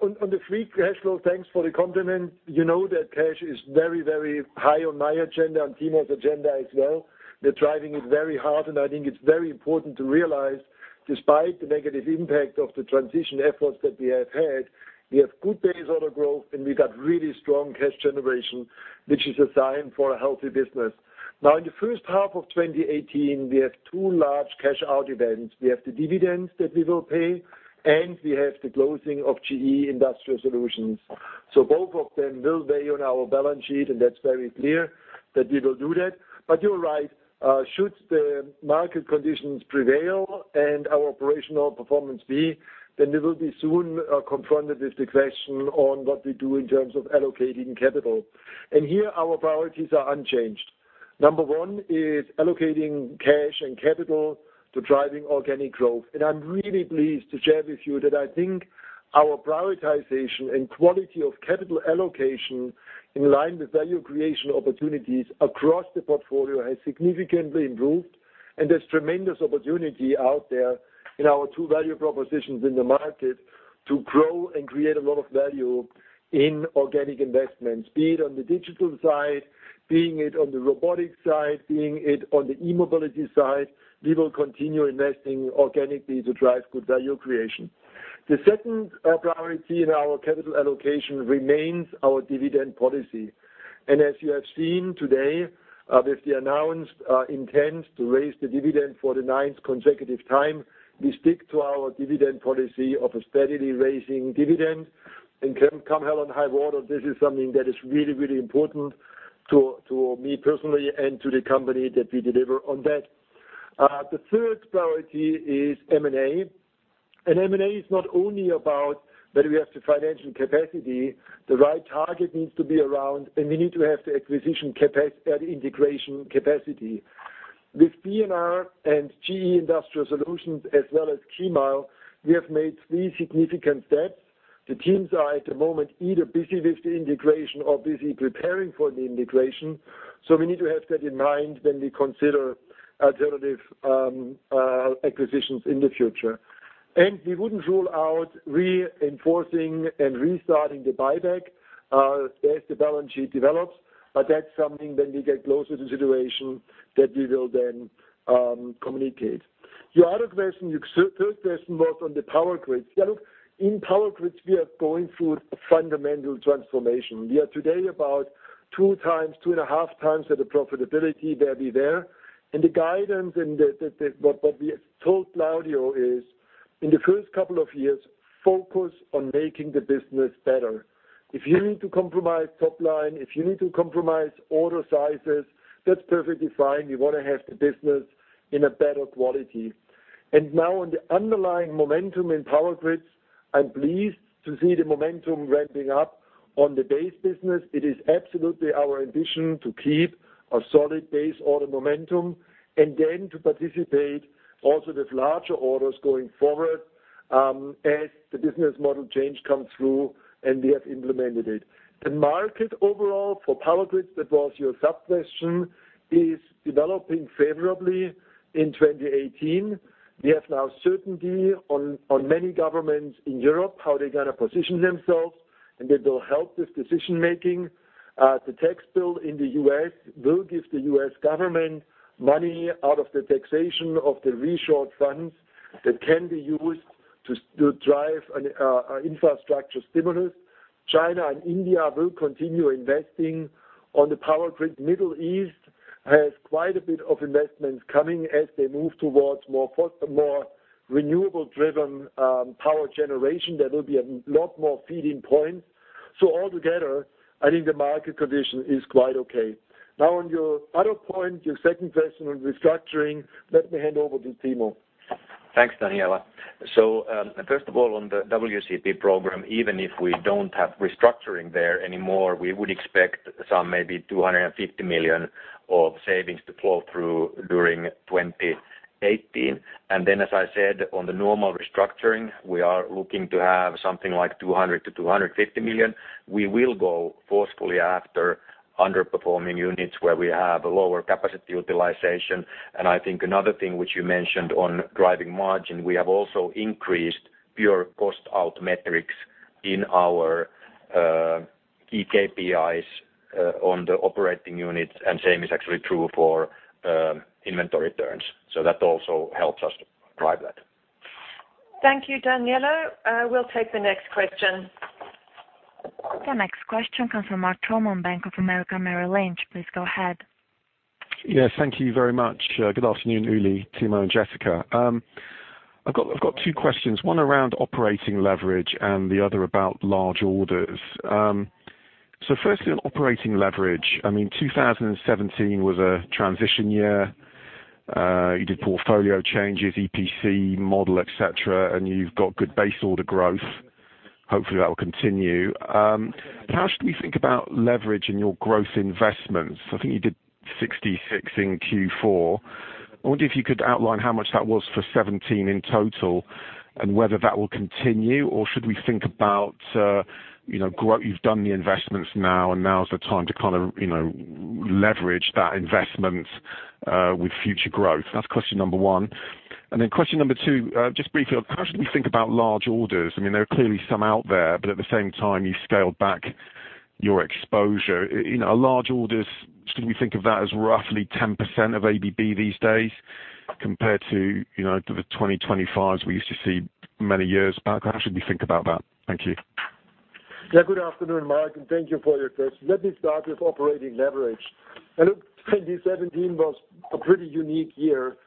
On the free cash flow, thanks for the compliment. You know that cash is very, very high on my agenda and Timo's agenda as well. We are driving it very hard, and I think it is very important to realize despite the negative impact of the transition efforts that we have had, we have good base order growth and we got really strong cash generation, which is a sign for a healthy business. In the first half of 2018, we have two large cash out events. We have the dividends that we will pay, and we have the closing of GE Industrial Solutions. Both of them will weigh on our balance sheet, and that is very clear that we will do that. You are right. Should the market conditions prevail and our operational performance be, then we will be soon confronted with the question on what we do in terms of allocating capital. Here our priorities are unchanged. Number 1 is allocating cash and capital to driving organic growth. I am really pleased to share with you that I think our prioritization and quality of capital allocation in line with value creation opportunities across the portfolio has significantly improved, and there is tremendous opportunity out there in our two value propositions in the market to grow and create a lot of value in organic investments. Be it on the digital side, being it on the robotics side, being it on the e-mobility side. We will continue investing organically to drive good value creation. The second priority in our capital allocation remains our dividend policy. As you have seen today, with the announced intent to raise the dividend for the ninth consecutive time, we stick to our dividend policy of steadily raising dividend. Come hell or high water, this is something that is really, really important to me personally and to the company that we deliver on that. The third priority is M&A. M&A is not only about whether we have the financial capacity. The right target needs to be around, and we need to have the acquisition and integration capacity. With B&R and GE Industrial Solutions as well as KEYMILE, we have made three significant steps. The teams are at the moment either busy with the integration or busy preparing for the integration. We need to have that in mind when we consider alternative acquisitions in the future. We wouldn't rule out reinforcing and restarting the buyback as the balance sheet develops, that's something when we get closer to the situation that we will then communicate. Your other question, your third question was on the Power Grids. In Power Grids, we are going through a fundamental transformation. We are today about two times, two and a half times at the profitability that we were. The guidance and what we have told Claudio is, in the first couple of years, focus on making the business better. If you need to compromise top line, if you need to compromise order sizes, that's perfectly fine. We want to have the business in a better quality. Now on the underlying momentum in Power Grids, I'm pleased to see the momentum ramping up on the base business. It is absolutely our ambition to keep a solid base order momentum, then to participate also with larger orders going forward, as the business model change comes through, we have implemented it. The market overall for Power Grids, that was your sub-question, is developing favorably in 2018. We have now certainty on many governments in Europe, how they're going to position themselves, that will help with decision making. The tax bill in the U.S. will give the U.S. government money out of the taxation of the reshored funds that can be used to drive an infrastructure stimulus. China and India will continue investing on the power grid. Middle East has quite a bit of investments coming as they move towards more renewable driven power generation. There will be a lot more feed-in points. All together, I think the market condition is quite okay. Now on your other point, your second question on restructuring, let me hand over to Timo. Thanks, Daniela. First of all, on the WCP program, even if we do not have restructuring there anymore, we would expect maybe $250 million of savings to flow through during 2018. As I said, on the normal restructuring, we are looking to have something like $200 million-$250 million. We will go forcefully after underperforming units where we have a lower capacity utilization. I think another thing which you mentioned on driving margin, we have also increased pure cost out metrics in our key KPIs, on the operating units, and same is actually true for inventory turns. That also helps us to drive that. Thank you, Daniela. We will take the next question. The next question comes from Mark Troman, Bank of America Merrill Lynch. Please go ahead. Thank you very much. Good afternoon, Uli, Timo, and Jessica. I have got two questions, one around operating leverage and the other about large orders. Firstly, on operating leverage, 2017 was a transition year. You did portfolio changes, EPC model, et cetera, and you have got good base order growth. Hopefully, that will continue. How should we think about leverage in your growth investments? I think you did 66 in Q4. I wonder if you could outline how much that was for 2017 in total, and whether that will continue or should we think about you have done the investments now and now is the time to leverage that investment with future growth? That is question number one. Question number two, just briefly, how should we think about large orders? There are clearly some out there, but at the same time, you scaled back your exposure. Large orders, should we think of that as roughly 10% of ABB these days compared to the 2025s we used to see many years back? How should we think about that? Thank you. Yeah. Good afternoon, Mark, and thank you for your question. Let me start with operating leverage. Look, 2017 was a pretty unique year.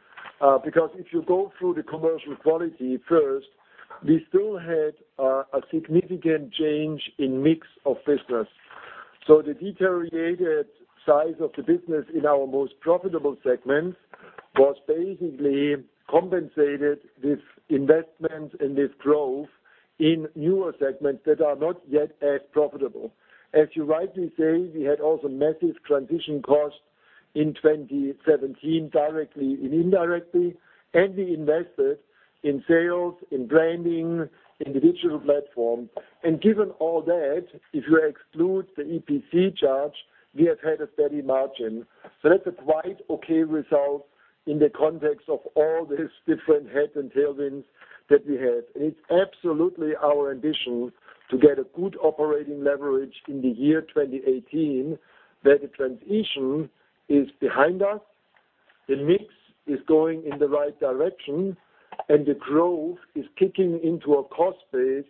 If you go through the commercial quality first, we still had a significant change in mix of business. The deteriorated size of the business in our most profitable segments was basically compensated with investment in this growth in newer segments that are not yet as profitable. As you rightly say, we had also massive transition costs in 2017, directly and indirectly. We invested in sales, in branding, in digital platform. Given all that, if you exclude the EPC charge, we have had a steady margin. That's a quite okay result in the context of all these different heads and tailwinds that we had. It's absolutely our ambition to get a good operating leverage in the year 2018, where the transition is behind us, the mix is going in the right direction, and the growth is kicking into a cost base,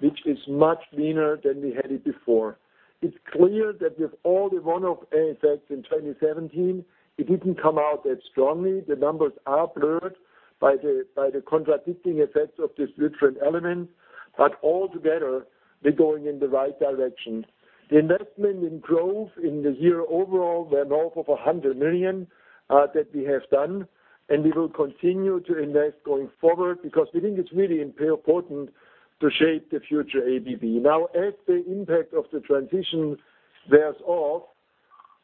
which is much leaner than we had it before. It's clear that with all the one-off effects in 2017, it didn't come out that strongly. The numbers are blurred by the contradicting effects of these different elements. All together, we're going in the right direction. The investment in growth in the year overall went off of $100 million, that we have done. We will continue to invest going forward because we think it's really important to shape the future ABB. As the impact of the transition wears off,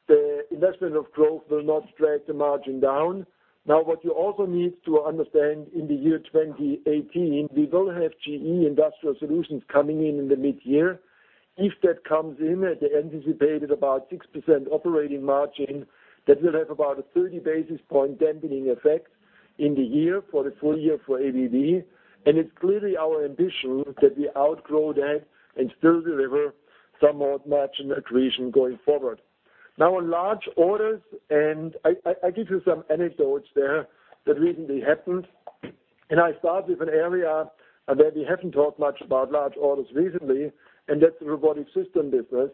the investment of growth will not drag the margin down. What you also need to understand in the year 2018, we will have GE Industrial Solutions coming in in the mid-year. If that comes in at the anticipated about 6% operating margin, that will have about a 30 basis point dampening effect in the year for the full year for ABB. It's clearly our ambition that we outgrow that and still deliver somewhat margin accretion going forward. On large orders, I give you some anecdotes there that recently happened. I start with an area that we haven't talked much about large orders recently, and that's the robotic system business.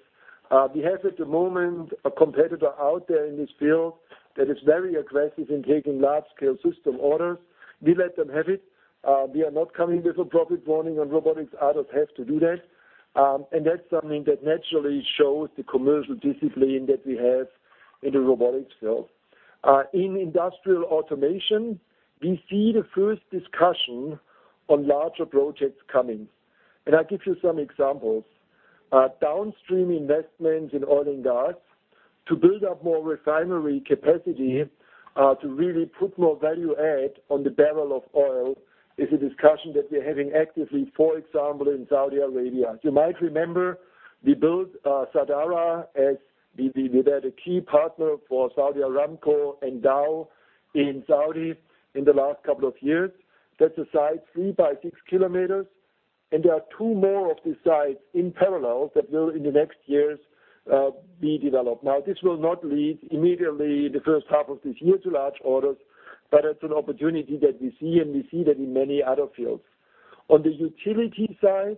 We have at the moment a competitor out there in this field that is very aggressive in taking large-scale system orders. We let them have it. We are not coming with a profit warning on robotics. Others have to do that. That's something that naturally shows the commercial discipline that we have in the robotics field. In Industrial Automation, we see the first discussion on larger projects coming, and I'll give you some examples. Downstream investments in oil and gas to build up more refinery capacity, to really put more value add on the barrel of oil is a discussion that we're having actively, for example, in Saudi Arabia. You might remember we built Sadara as we had a key partner for Saudi Aramco and Dow in Saudi in the last couple of years. That's a site three by six kilometers, and there are two more of these sites in parallel that will in the next years be developed. This will not lead immediately the first half of this year to large orders, but it's an opportunity that we see, and we see that in many other fields. On the utility side,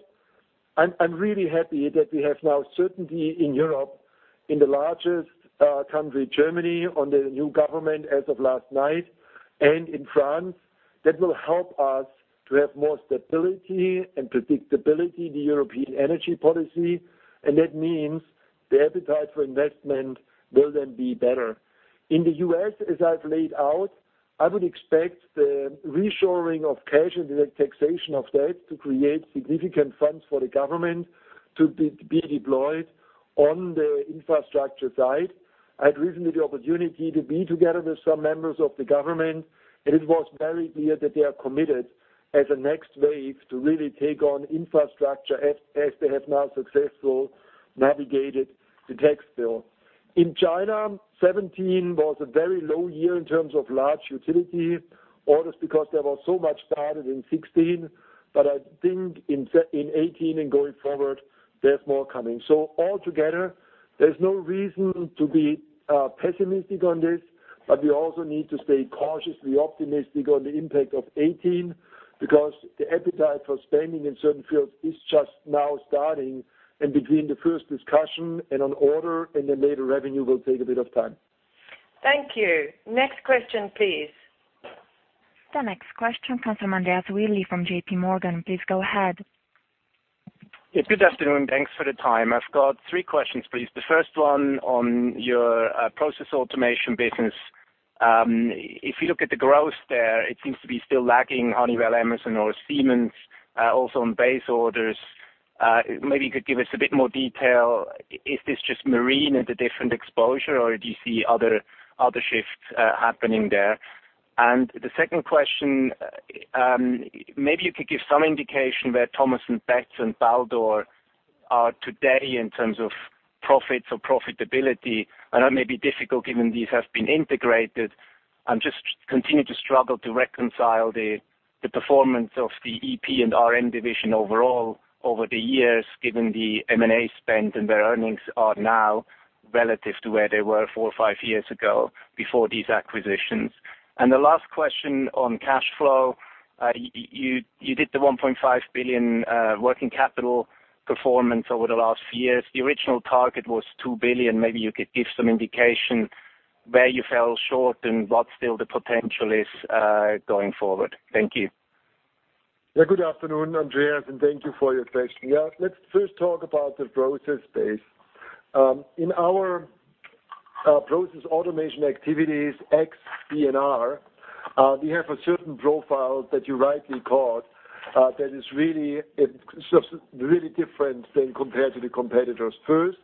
I'm really happy that we have now certainty in Europe, in the largest country, Germany, on the new government as of last night, and in France. That will help us to have more stability and predictability in the European energy policy. That means the appetite for investment will then be better. In the U.S., as I've laid out, I would expect the reshoring of cash and the taxation of that to create significant funds for the government to be deployed on the infrastructure side. I had recently the opportunity to be together with some members of the government, it was very clear that they are committed as a next wave to really take on infrastructure as they have now successfully navigated the tax bill. In China, 2017 was a very low year in terms of large utility orders because there was so much started in 2016. I think in 2018 and going forward, there's more coming. Altogether, there's no reason to be pessimistic on this, but we also need to stay cautiously optimistic on the impact of 2018 because the appetite for spending in certain fields is just now starting, and between the first discussion and an order and then later revenue will take a bit of time. Thank you. Next question, please. The next question comes from Andreas Willi from J.P. Morgan. Please go ahead. Good afternoon. Thanks for the time. I've got three questions, please. The first one on your process automation business. If you look at the growth there, it seems to be still lagging Honeywell, Emerson or Siemens, also on base orders. Maybe you could give us a bit more detail. Is this just marine and a different exposure, or do you see other shifts happening there? The second question, maybe you could give some indication where Thomas & Betts and Baldor are today in terms of profits or profitability. I know it may be difficult given these have been integrated. I continue to struggle to reconcile the performance of the EP and RM division overall over the years, given the M&A spend and where earnings are now relative to where they were four or five years ago before these acquisitions. The last question on cash flow. You did the $1.5 billion working capital performance over the last years. The original target was $2 billion. Maybe you could give some indication where you fell short and what still the potential is going forward. Thank you. Good afternoon, Andreas, thank you for your question. Let's first talk about the process space. In our process automation activities, X, B&R, we have a certain profile that you rightly called that is really different than compared to the competitors. First,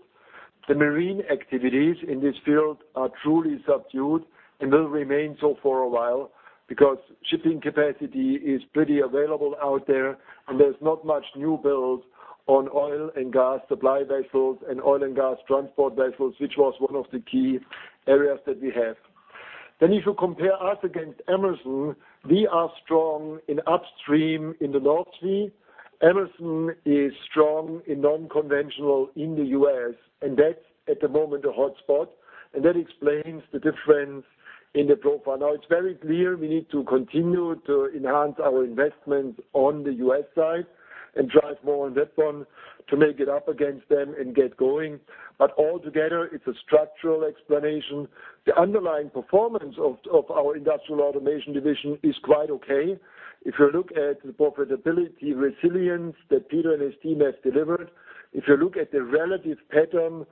the marine activities in this field are truly subdued and will remain so for a while because shipping capacity is pretty available out there, and there's not much new builds on oil and gas supply vessels and oil and gas transport vessels, which was one of the key areas that we have. If you compare us against Emerson, we are strong in upstream in the North Sea. Emerson is strong in non-conventional in the U.S., and that's at the moment a hotspot, and that explains the difference in the profile. Altogether, it's a structural explanation. The underlying performance of our Industrial Automation division is quite okay. If you look at the profitability resilience that Peter and his team have delivered, if you look at the relative pattern,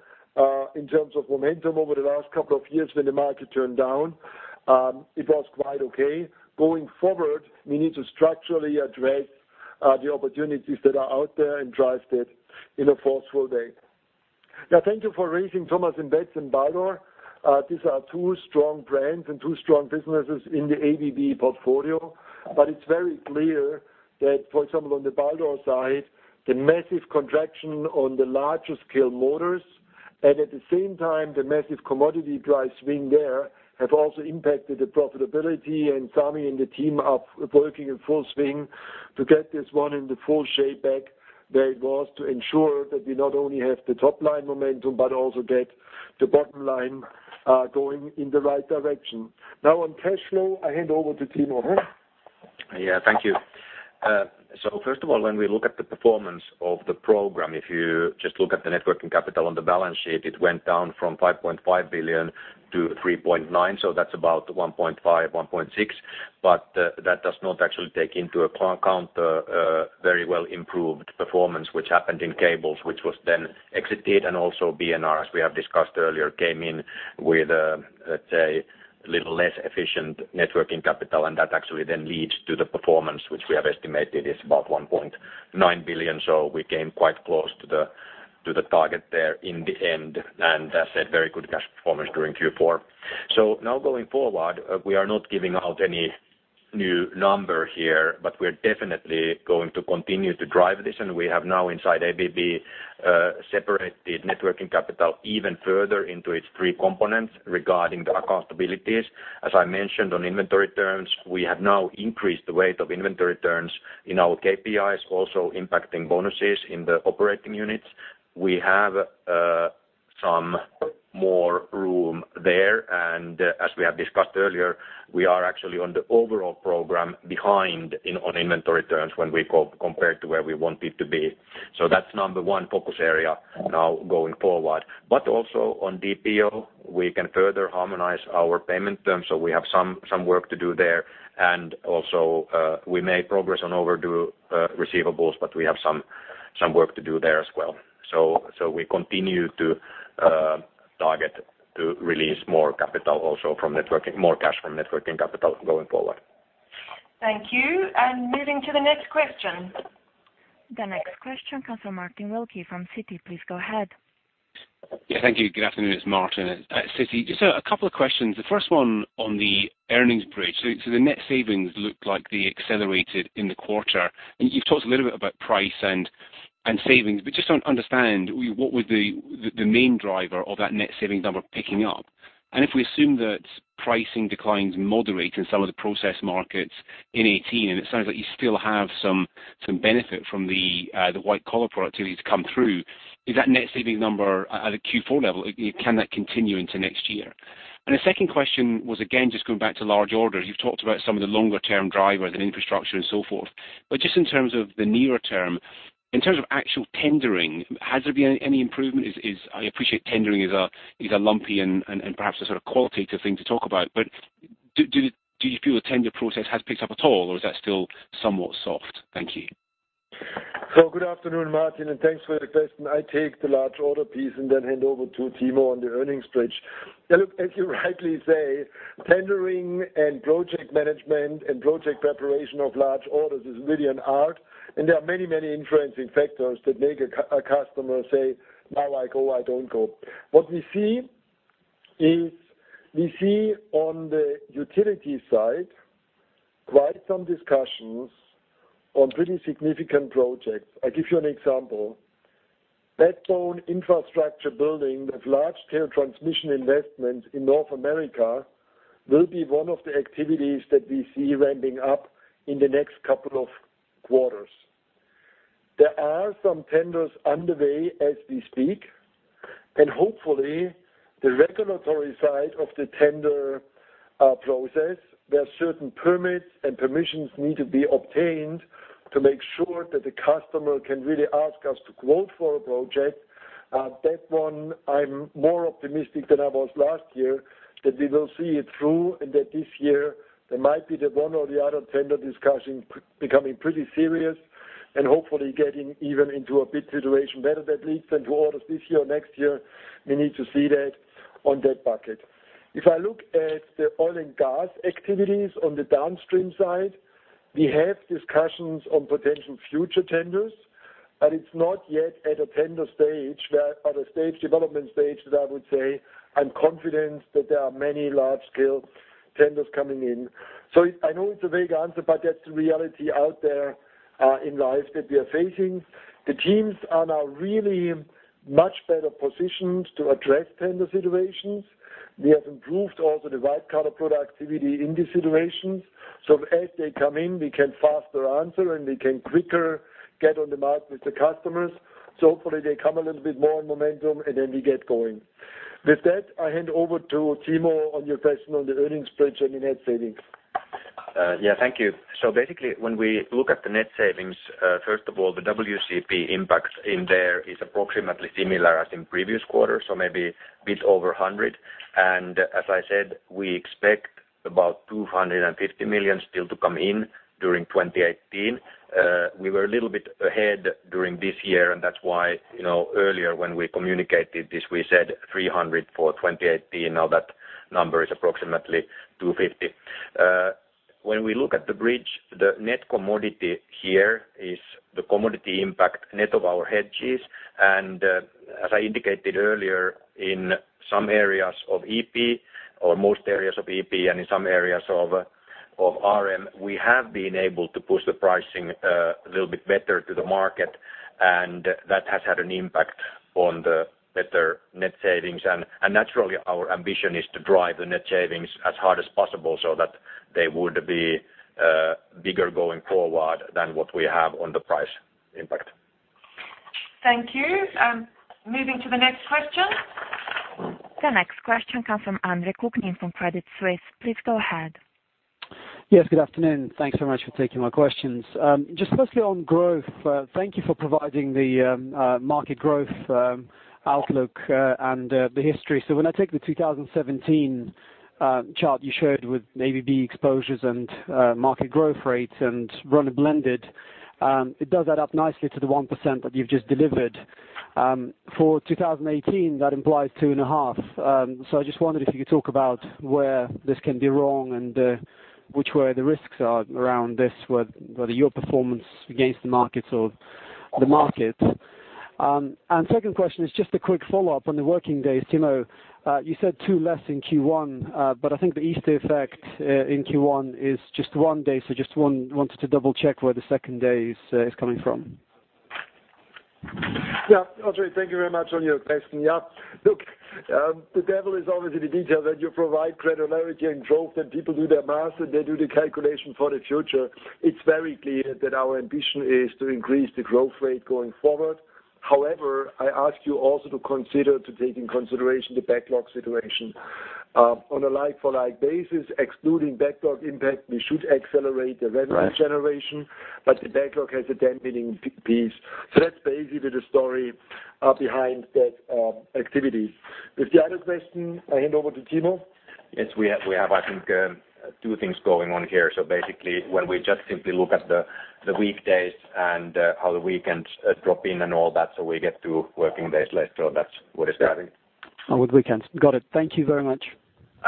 in terms of momentum over the last couple of years when the market turned down, it was quite okay. Going forward, we need to structurally address the opportunities that are out there and drive that in a forceful way. Thank you for raising Thomas & Betts and Baldor. These are two strong brands and two strong businesses in the ABB portfolio. It's very clear that, for example, on the Baldor side, the massive contraction on the larger scale motors and at the same time the massive commodity price swing there have also impacted the profitability. Sami and the team are working in full swing to get this one in the full shape back where it was to ensure that we not only have the top-line momentum but also get the bottom line going in the right direction. On cash flow, I hand over to Timo. Thank you. First of all, when we look at the performance of the program, if you just look at the net working capital on the balance sheet, it went down from 5.5 billion to 3.9 billion, so that's about 1.5 billion, 1.6 billion. That does not actually take into account very well improved performance, which happened in cables, which was then exited. Also B&R, as we have discussed earlier, came in with, let's say, little less efficient net working capital. That actually then leads to the performance which we have estimated is about 1.9 billion. We came quite close to the target there in the end and set very good cash performance during Q4. Now going forward, we are not giving out any new number here, but we're definitely going to continue to drive this. We have now inside ABB, separated net working capital even further into its three components regarding the accountabilities. As I mentioned on inventory turns, we have now increased the weight of inventory turns in our KPIs, also impacting bonuses in the operating units. We have some more room there and as we have discussed earlier, we are actually on the overall program behind on inventory turns when we compared to where we want it to be. That's number one focus area now going forward. Also on DPO, we can further harmonize our payment terms so we have some work to do there. Also, we made progress on overdue receivables, but we have some work to do there as well. We continue to target to release more cash from net working capital going forward. Thank you. Moving to the next question. The next question comes from Martin Wilkie from Citi. Please go ahead. Yeah. Thank you. Good afternoon. It's Martin at Citi. A couple of questions. The first one on the earnings bridge. The net savings look like they accelerated in the quarter, you've talked a little bit about price and savings, but just don't understand what was the main driver of that net savings number picking up. If we assume that pricing declines moderate in some of the process markets in 2018, it sounds like you still have some benefit from the white collar productivity to come through. Is that net saving number at a Q4 level, can that continue into next year? The second question was, again, just going back to large orders. You've talked about some of the longer-term drivers and infrastructure and so forth, just in terms of the nearer term, in terms of actual tendering, has there been any improvement? I appreciate tendering is a lumpy and perhaps a sort of qualitative thing to talk about, do you feel the tender process has picked up at all or is that still somewhat soft? Thank you. Good afternoon, Martin, and thanks for the question. I take the large order piece and then hand over to Timo on the earnings bridge. Look, as you rightly say, tendering and project management and project preparation of large orders is really an art and there are many influencing factors that make a customer say, "I like, oh, I don't go." What we see is, we see on the utility side quite some discussions on pretty significant projects. I give you an example. Backbone infrastructure building of large scale transmission investments in North America will be one of the activities that we see ramping up in the next couple of quarters. There are some tenders underway as we speak, hopefully the regulatory side of the tender process, there are certain permits and permissions need to be obtained to make sure that the customer can really ask us to quote for a project. That one I'm more optimistic than I was last year, that we will see it through and that this year there might be the one or the other tender discussion becoming pretty serious and hopefully getting even into a bid situation better that leads into orders this year or next year. We need to see that on that bucket. If I look at the oil and gas activities on the downstream side, we have discussions on potential future tenders, it's not yet at a tender stage where at a development stage that I would say I'm confident that there are many large scale tenders coming in. I know it's a vague answer, that's the reality out there in life that we are facing. The teams are now really much better positioned to address tender situations. We have improved also the white-collar productivity in these situations. As they come in, we can faster answer, and we can quicker get on the mark with the customers. Hopefully they come a little bit more in momentum then we get going. With that, I hand over to Timo on your question on the earnings bridge and the net savings. Yeah. Thank you. Basically when we look at the net savings, first of all, the WCP impact in there is approximately similar as in previous quarters, so maybe a bit over $100. As I said, we expect about $250 million still to come in during 2018. We were a little bit ahead during this year and that's why earlier when we communicated this, we said $300 for 2018. Now that number is approximately $250. When we look at the bridge, the net commodity here is the commodity impact net of our hedges. As I indicated earlier, in some areas of EP or most areas of EP and in some areas of RM, we have been able to push the pricing a little bit better to the market and that has had an impact on the better net savings. Naturally, our ambition is to drive the net savings as hard as possible so that they would be bigger going forward than what we have on the price impact. Thank you. Moving to the next question. The next question comes from Andre Kukhnin from Credit Suisse. Please go ahead. Yes, good afternoon. Thanks so much for taking my questions. Just firstly on growth, thank you for providing the market growth outlook and the history. When I take the 2017 chart you shared with ABB exposures and market growth rate and run it blended, it does add up nicely to the 1% that you've just delivered. For 2018, that implies 2.5%. I just wondered if you could talk about where this can be wrong and which way the risks are around this, whether your performance against the markets or the market. Second question is just a quick follow-up on the working days, Timo. You said two less in Q1, but I think the Easter effect in Q1 is just one day. I just wanted to double check where the second day is coming from. Yeah. Andre, thank you very much on your question. Yeah, look, the devil is always in the detail that you provide credibility and growth and people do their math and they do the calculation for the future. It's very clear that our ambition is to increase the growth rate going forward. However, I ask you also to take into consideration the backlog situation. On a like for like basis, excluding backlog impact, we should accelerate the revenue generation, but the backlog has a dampening piece. That's basically the story behind that activity. With the other question, I hand over to Timo. Yes, we have I think two things going on here. Basically when we just simply look at the weekdays and how the weekends drop in and all that, so we get two working days less, so that's what is driving. With weekends. Got it. Thank you very much.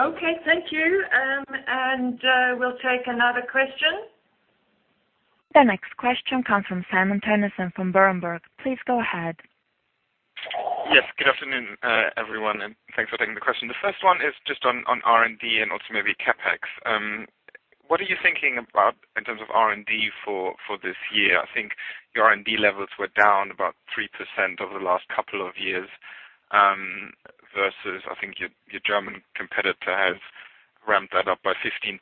Okay, thank you. We'll take another question. The next question comes from Simon Toennessen from Berenberg. Please go ahead. Yes, good afternoon, everyone, and thanks for taking the question. The first one is just on R&D and also maybe CapEx. What are you thinking about in terms of R&D for this year? I think your R&D levels were down about 3% over the last couple of years, versus I think your German competitor has ramped that up by 15%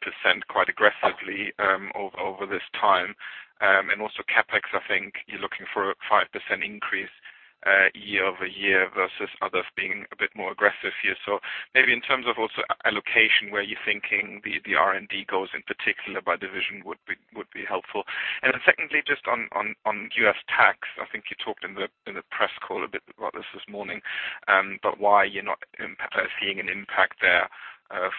quite aggressively over this time. Also CapEx, I think you're looking for a 5% increase year-over-year versus others being a bit more aggressive here. Maybe in terms of also allocation, where you're thinking the R&D goes in particular by division would be helpful. Secondly, just on U.S. tax, I think you talked in the press call a bit about this this morning, but why you're not seeing an impact there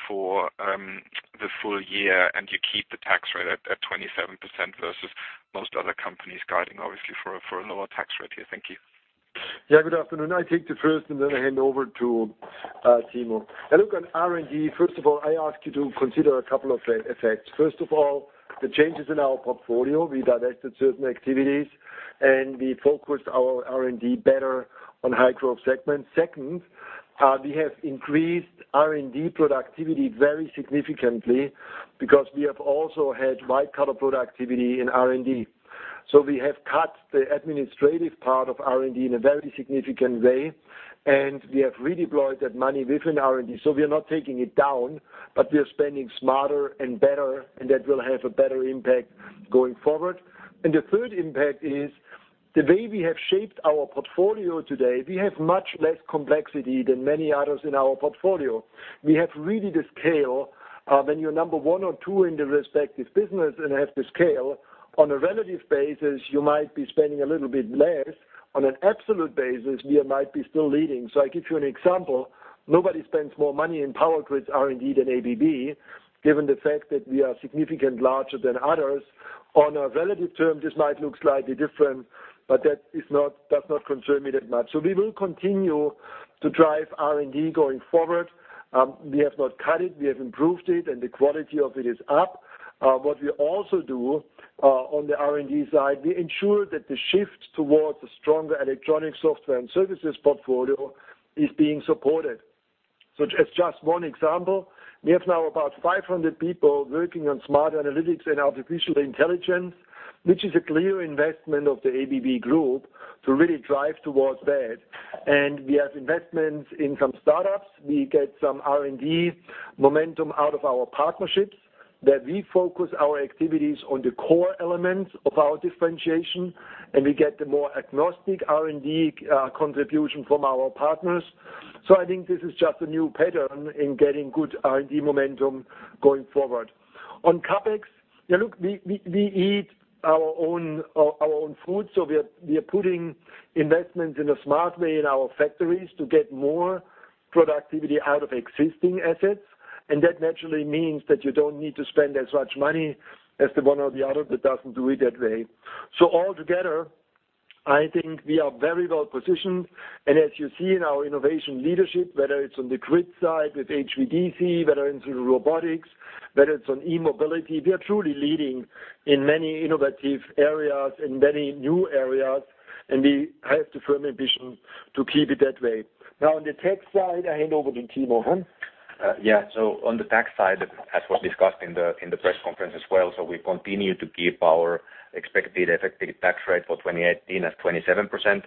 for the full year, and you keep the tax rate at 27% versus most other companies guiding obviously for a lower tax rate here. Thank you. Yeah, good afternoon. I take the first and then I hand over to Timo. Look on R&D, first of all, I ask you to consider a couple of effects. First of all, the changes in our portfolio. We directed certain activities and we focused our R&D better on high growth segments. Second, we have increased R&D productivity very significantly because we have also had white-collar productivity in R&D. We have cut the administrative part of R&D in a very significant way, and we have redeployed that money within R&D. We are not taking it down, but we are spending smarter and better, and that will have a better impact going forward. The third impact is the way we have shaped our portfolio today, we have much less complexity than many others in our portfolio. We have really the scale. When you're number one or two in the respective business and have the scale, on a relative basis you might be spending a little bit less. On an absolute basis, we might be still leading. I give you an example. Nobody spends more money in Power Grids R&D than ABB, given the fact that we are significant larger than others. On a relative term, this might look slightly different, but that does not concern me that much. We will continue to drive R&D going forward. We have not cut it, we have improved it, and the quality of it is up. What we also do on the R&D side, we ensure that the shift towards a stronger electronic software and services portfolio is being supported. As just one example, we have now about 500 people working on smart analytics and artificial intelligence, which is a clear investment of the ABB Group to really drive towards that. We have investments in some startups. We get some R&D momentum out of our partnerships, that we focus our activities on the core elements of our differentiation, and we get the more agnostic R&D contribution from our partners. I think this is just a new pattern in getting good R&D momentum going forward. On CapEx, look, we eat our own food, so we are putting investments in a smart way in our factories to get more productivity out of existing assets, and that naturally means that you don't need to spend as much money as the one or the other that doesn't do it that way. All together, I think we are very well positioned, and as you see in our innovation leadership, whether it's on the grid side with HVDC, whether it's in robotics, whether it's on e-mobility, we are truly leading in many innovative areas, in many new areas, and we have the firm ambition to keep it that way. Now on the tax side, I hand over to Timo. On the tax side, as was discussed in the press conference as well, we continue to keep our expected effective tax rate for 2018 at 27%.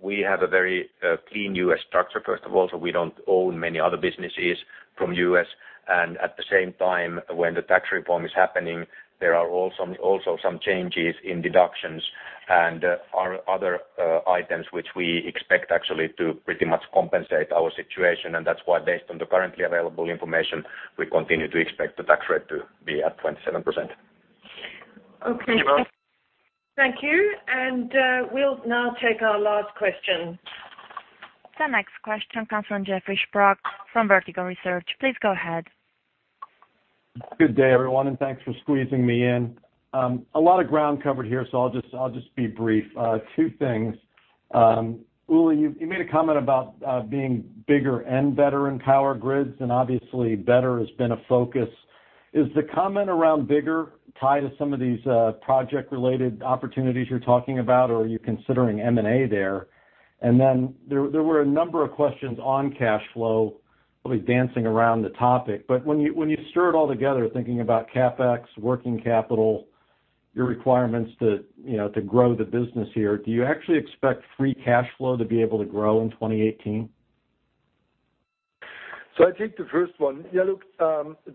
We have a very clean U.S. structure, first of all, we don't own many other businesses from U.S. At the same time, when the tax reform is happening, there are also some changes in deductions Our other items which we expect actually to pretty much compensate our situation, and that's why based on the currently available information, we continue to expect the tax rate to be at 27%. Okay. Timo. Thank you. We'll now take our last question. The next question comes from Jeffrey Sprague from Vertical Research. Please go ahead. Good day, everyone, and thanks for squeezing me in. A lot of ground covered here, I'll just be brief. Two things. Uli, you made a comment about being bigger and better in Power Grids, obviously better has been a focus. Is the comment around bigger tied to some of these project-related opportunities you're talking about, or are you considering M&A there? There were a number of questions on cash flow, probably dancing around the topic. When you stir it all together, thinking about CapEx, working capital, your requirements to grow the business here, do you actually expect free cash flow to be able to grow in 2018? I'll take the first one. Yeah, look,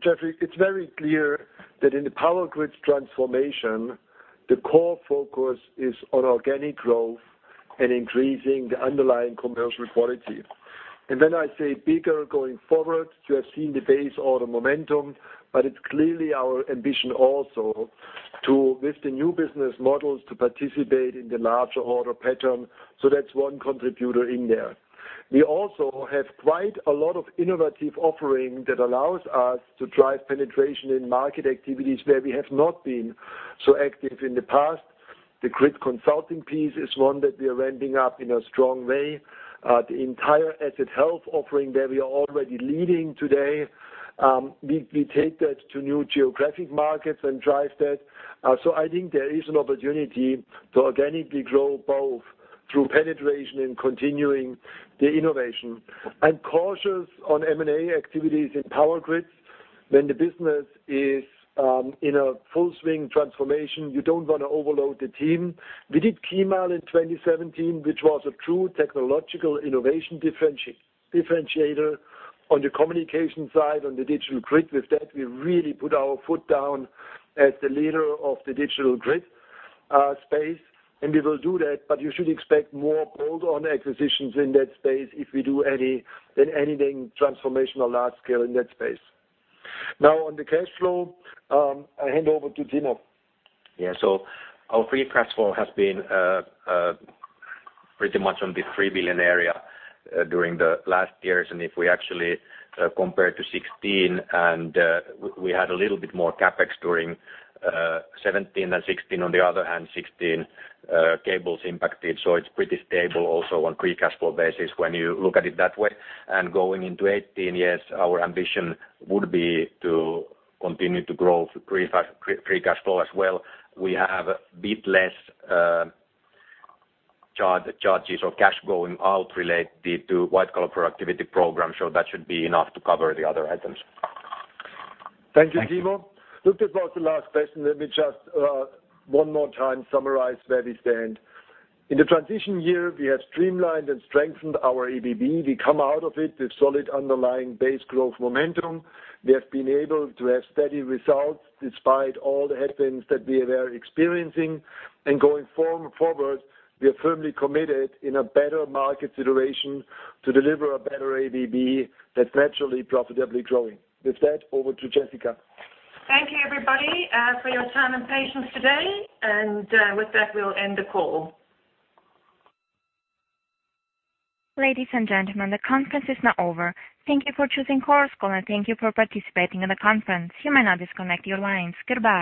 Jeffrey, it's very clear that in the Power Grids transformation, the core focus is on organic growth and increasing the underlying commercial quality. When I say bigger going forward, you have seen the base order momentum, it's clearly our ambition also to, with the new business models, to participate in the larger order pattern. That's one contributor in there. We also have quite a lot of innovative offering that allows us to drive penetration in market activities where we have not been so active in the past. The grid consulting piece is one that we are ramping up in a strong way. The entire asset health offering that we are already leading today, we take that to new geographic markets and drive that. I think there is an opportunity to organically grow both through penetration and continuing the innovation. I'm cautious on M&A activities in Power Grids. When the business is in a full swing transformation, you don't want to overload the team. We did KEYMILE in 2017, which was a true technological innovation differentiator. On the communication side, on the digital grid with that, we really put our foot down as the leader of the digital grid space, and we will do that, but you should expect more bolt-on acquisitions in that space if we do anything transformational large scale in that space. On the cash flow, I hand over to Timo. Our free cash flow has been pretty much on the $3 billion area during the last years. If we actually compare to 2016 and we had a little bit more CapEx during 2017 and 2016. On the other hand, 2016, cables impacted. It's pretty stable also on free cash flow basis when you look at it that way. Going into 2018, yes, our ambition would be to continue to grow free cash flow as well. We have a bit less charges of cash going out related to white-collar productivity program, so that should be enough to cover the other items. Thank you, Timo. Look, that was the last question. Let me just one more time summarize where we stand. In the transition year, we have streamlined and strengthened our ABB. We come out of it with solid underlying base growth momentum. We have been able to have steady results despite all the headwinds that we are experiencing. Going forward, we are firmly committed in a better market situation to deliver a better ABB that's naturally profitably growing. With that, over to Jessica. Thank you everybody for your time and patience today. With that, we'll end the call. Ladies and gentlemen, the conference is now over. Thank you for choosing Chorus Call and thank you for participating in the conference. You may now disconnect your lines. Goodbye.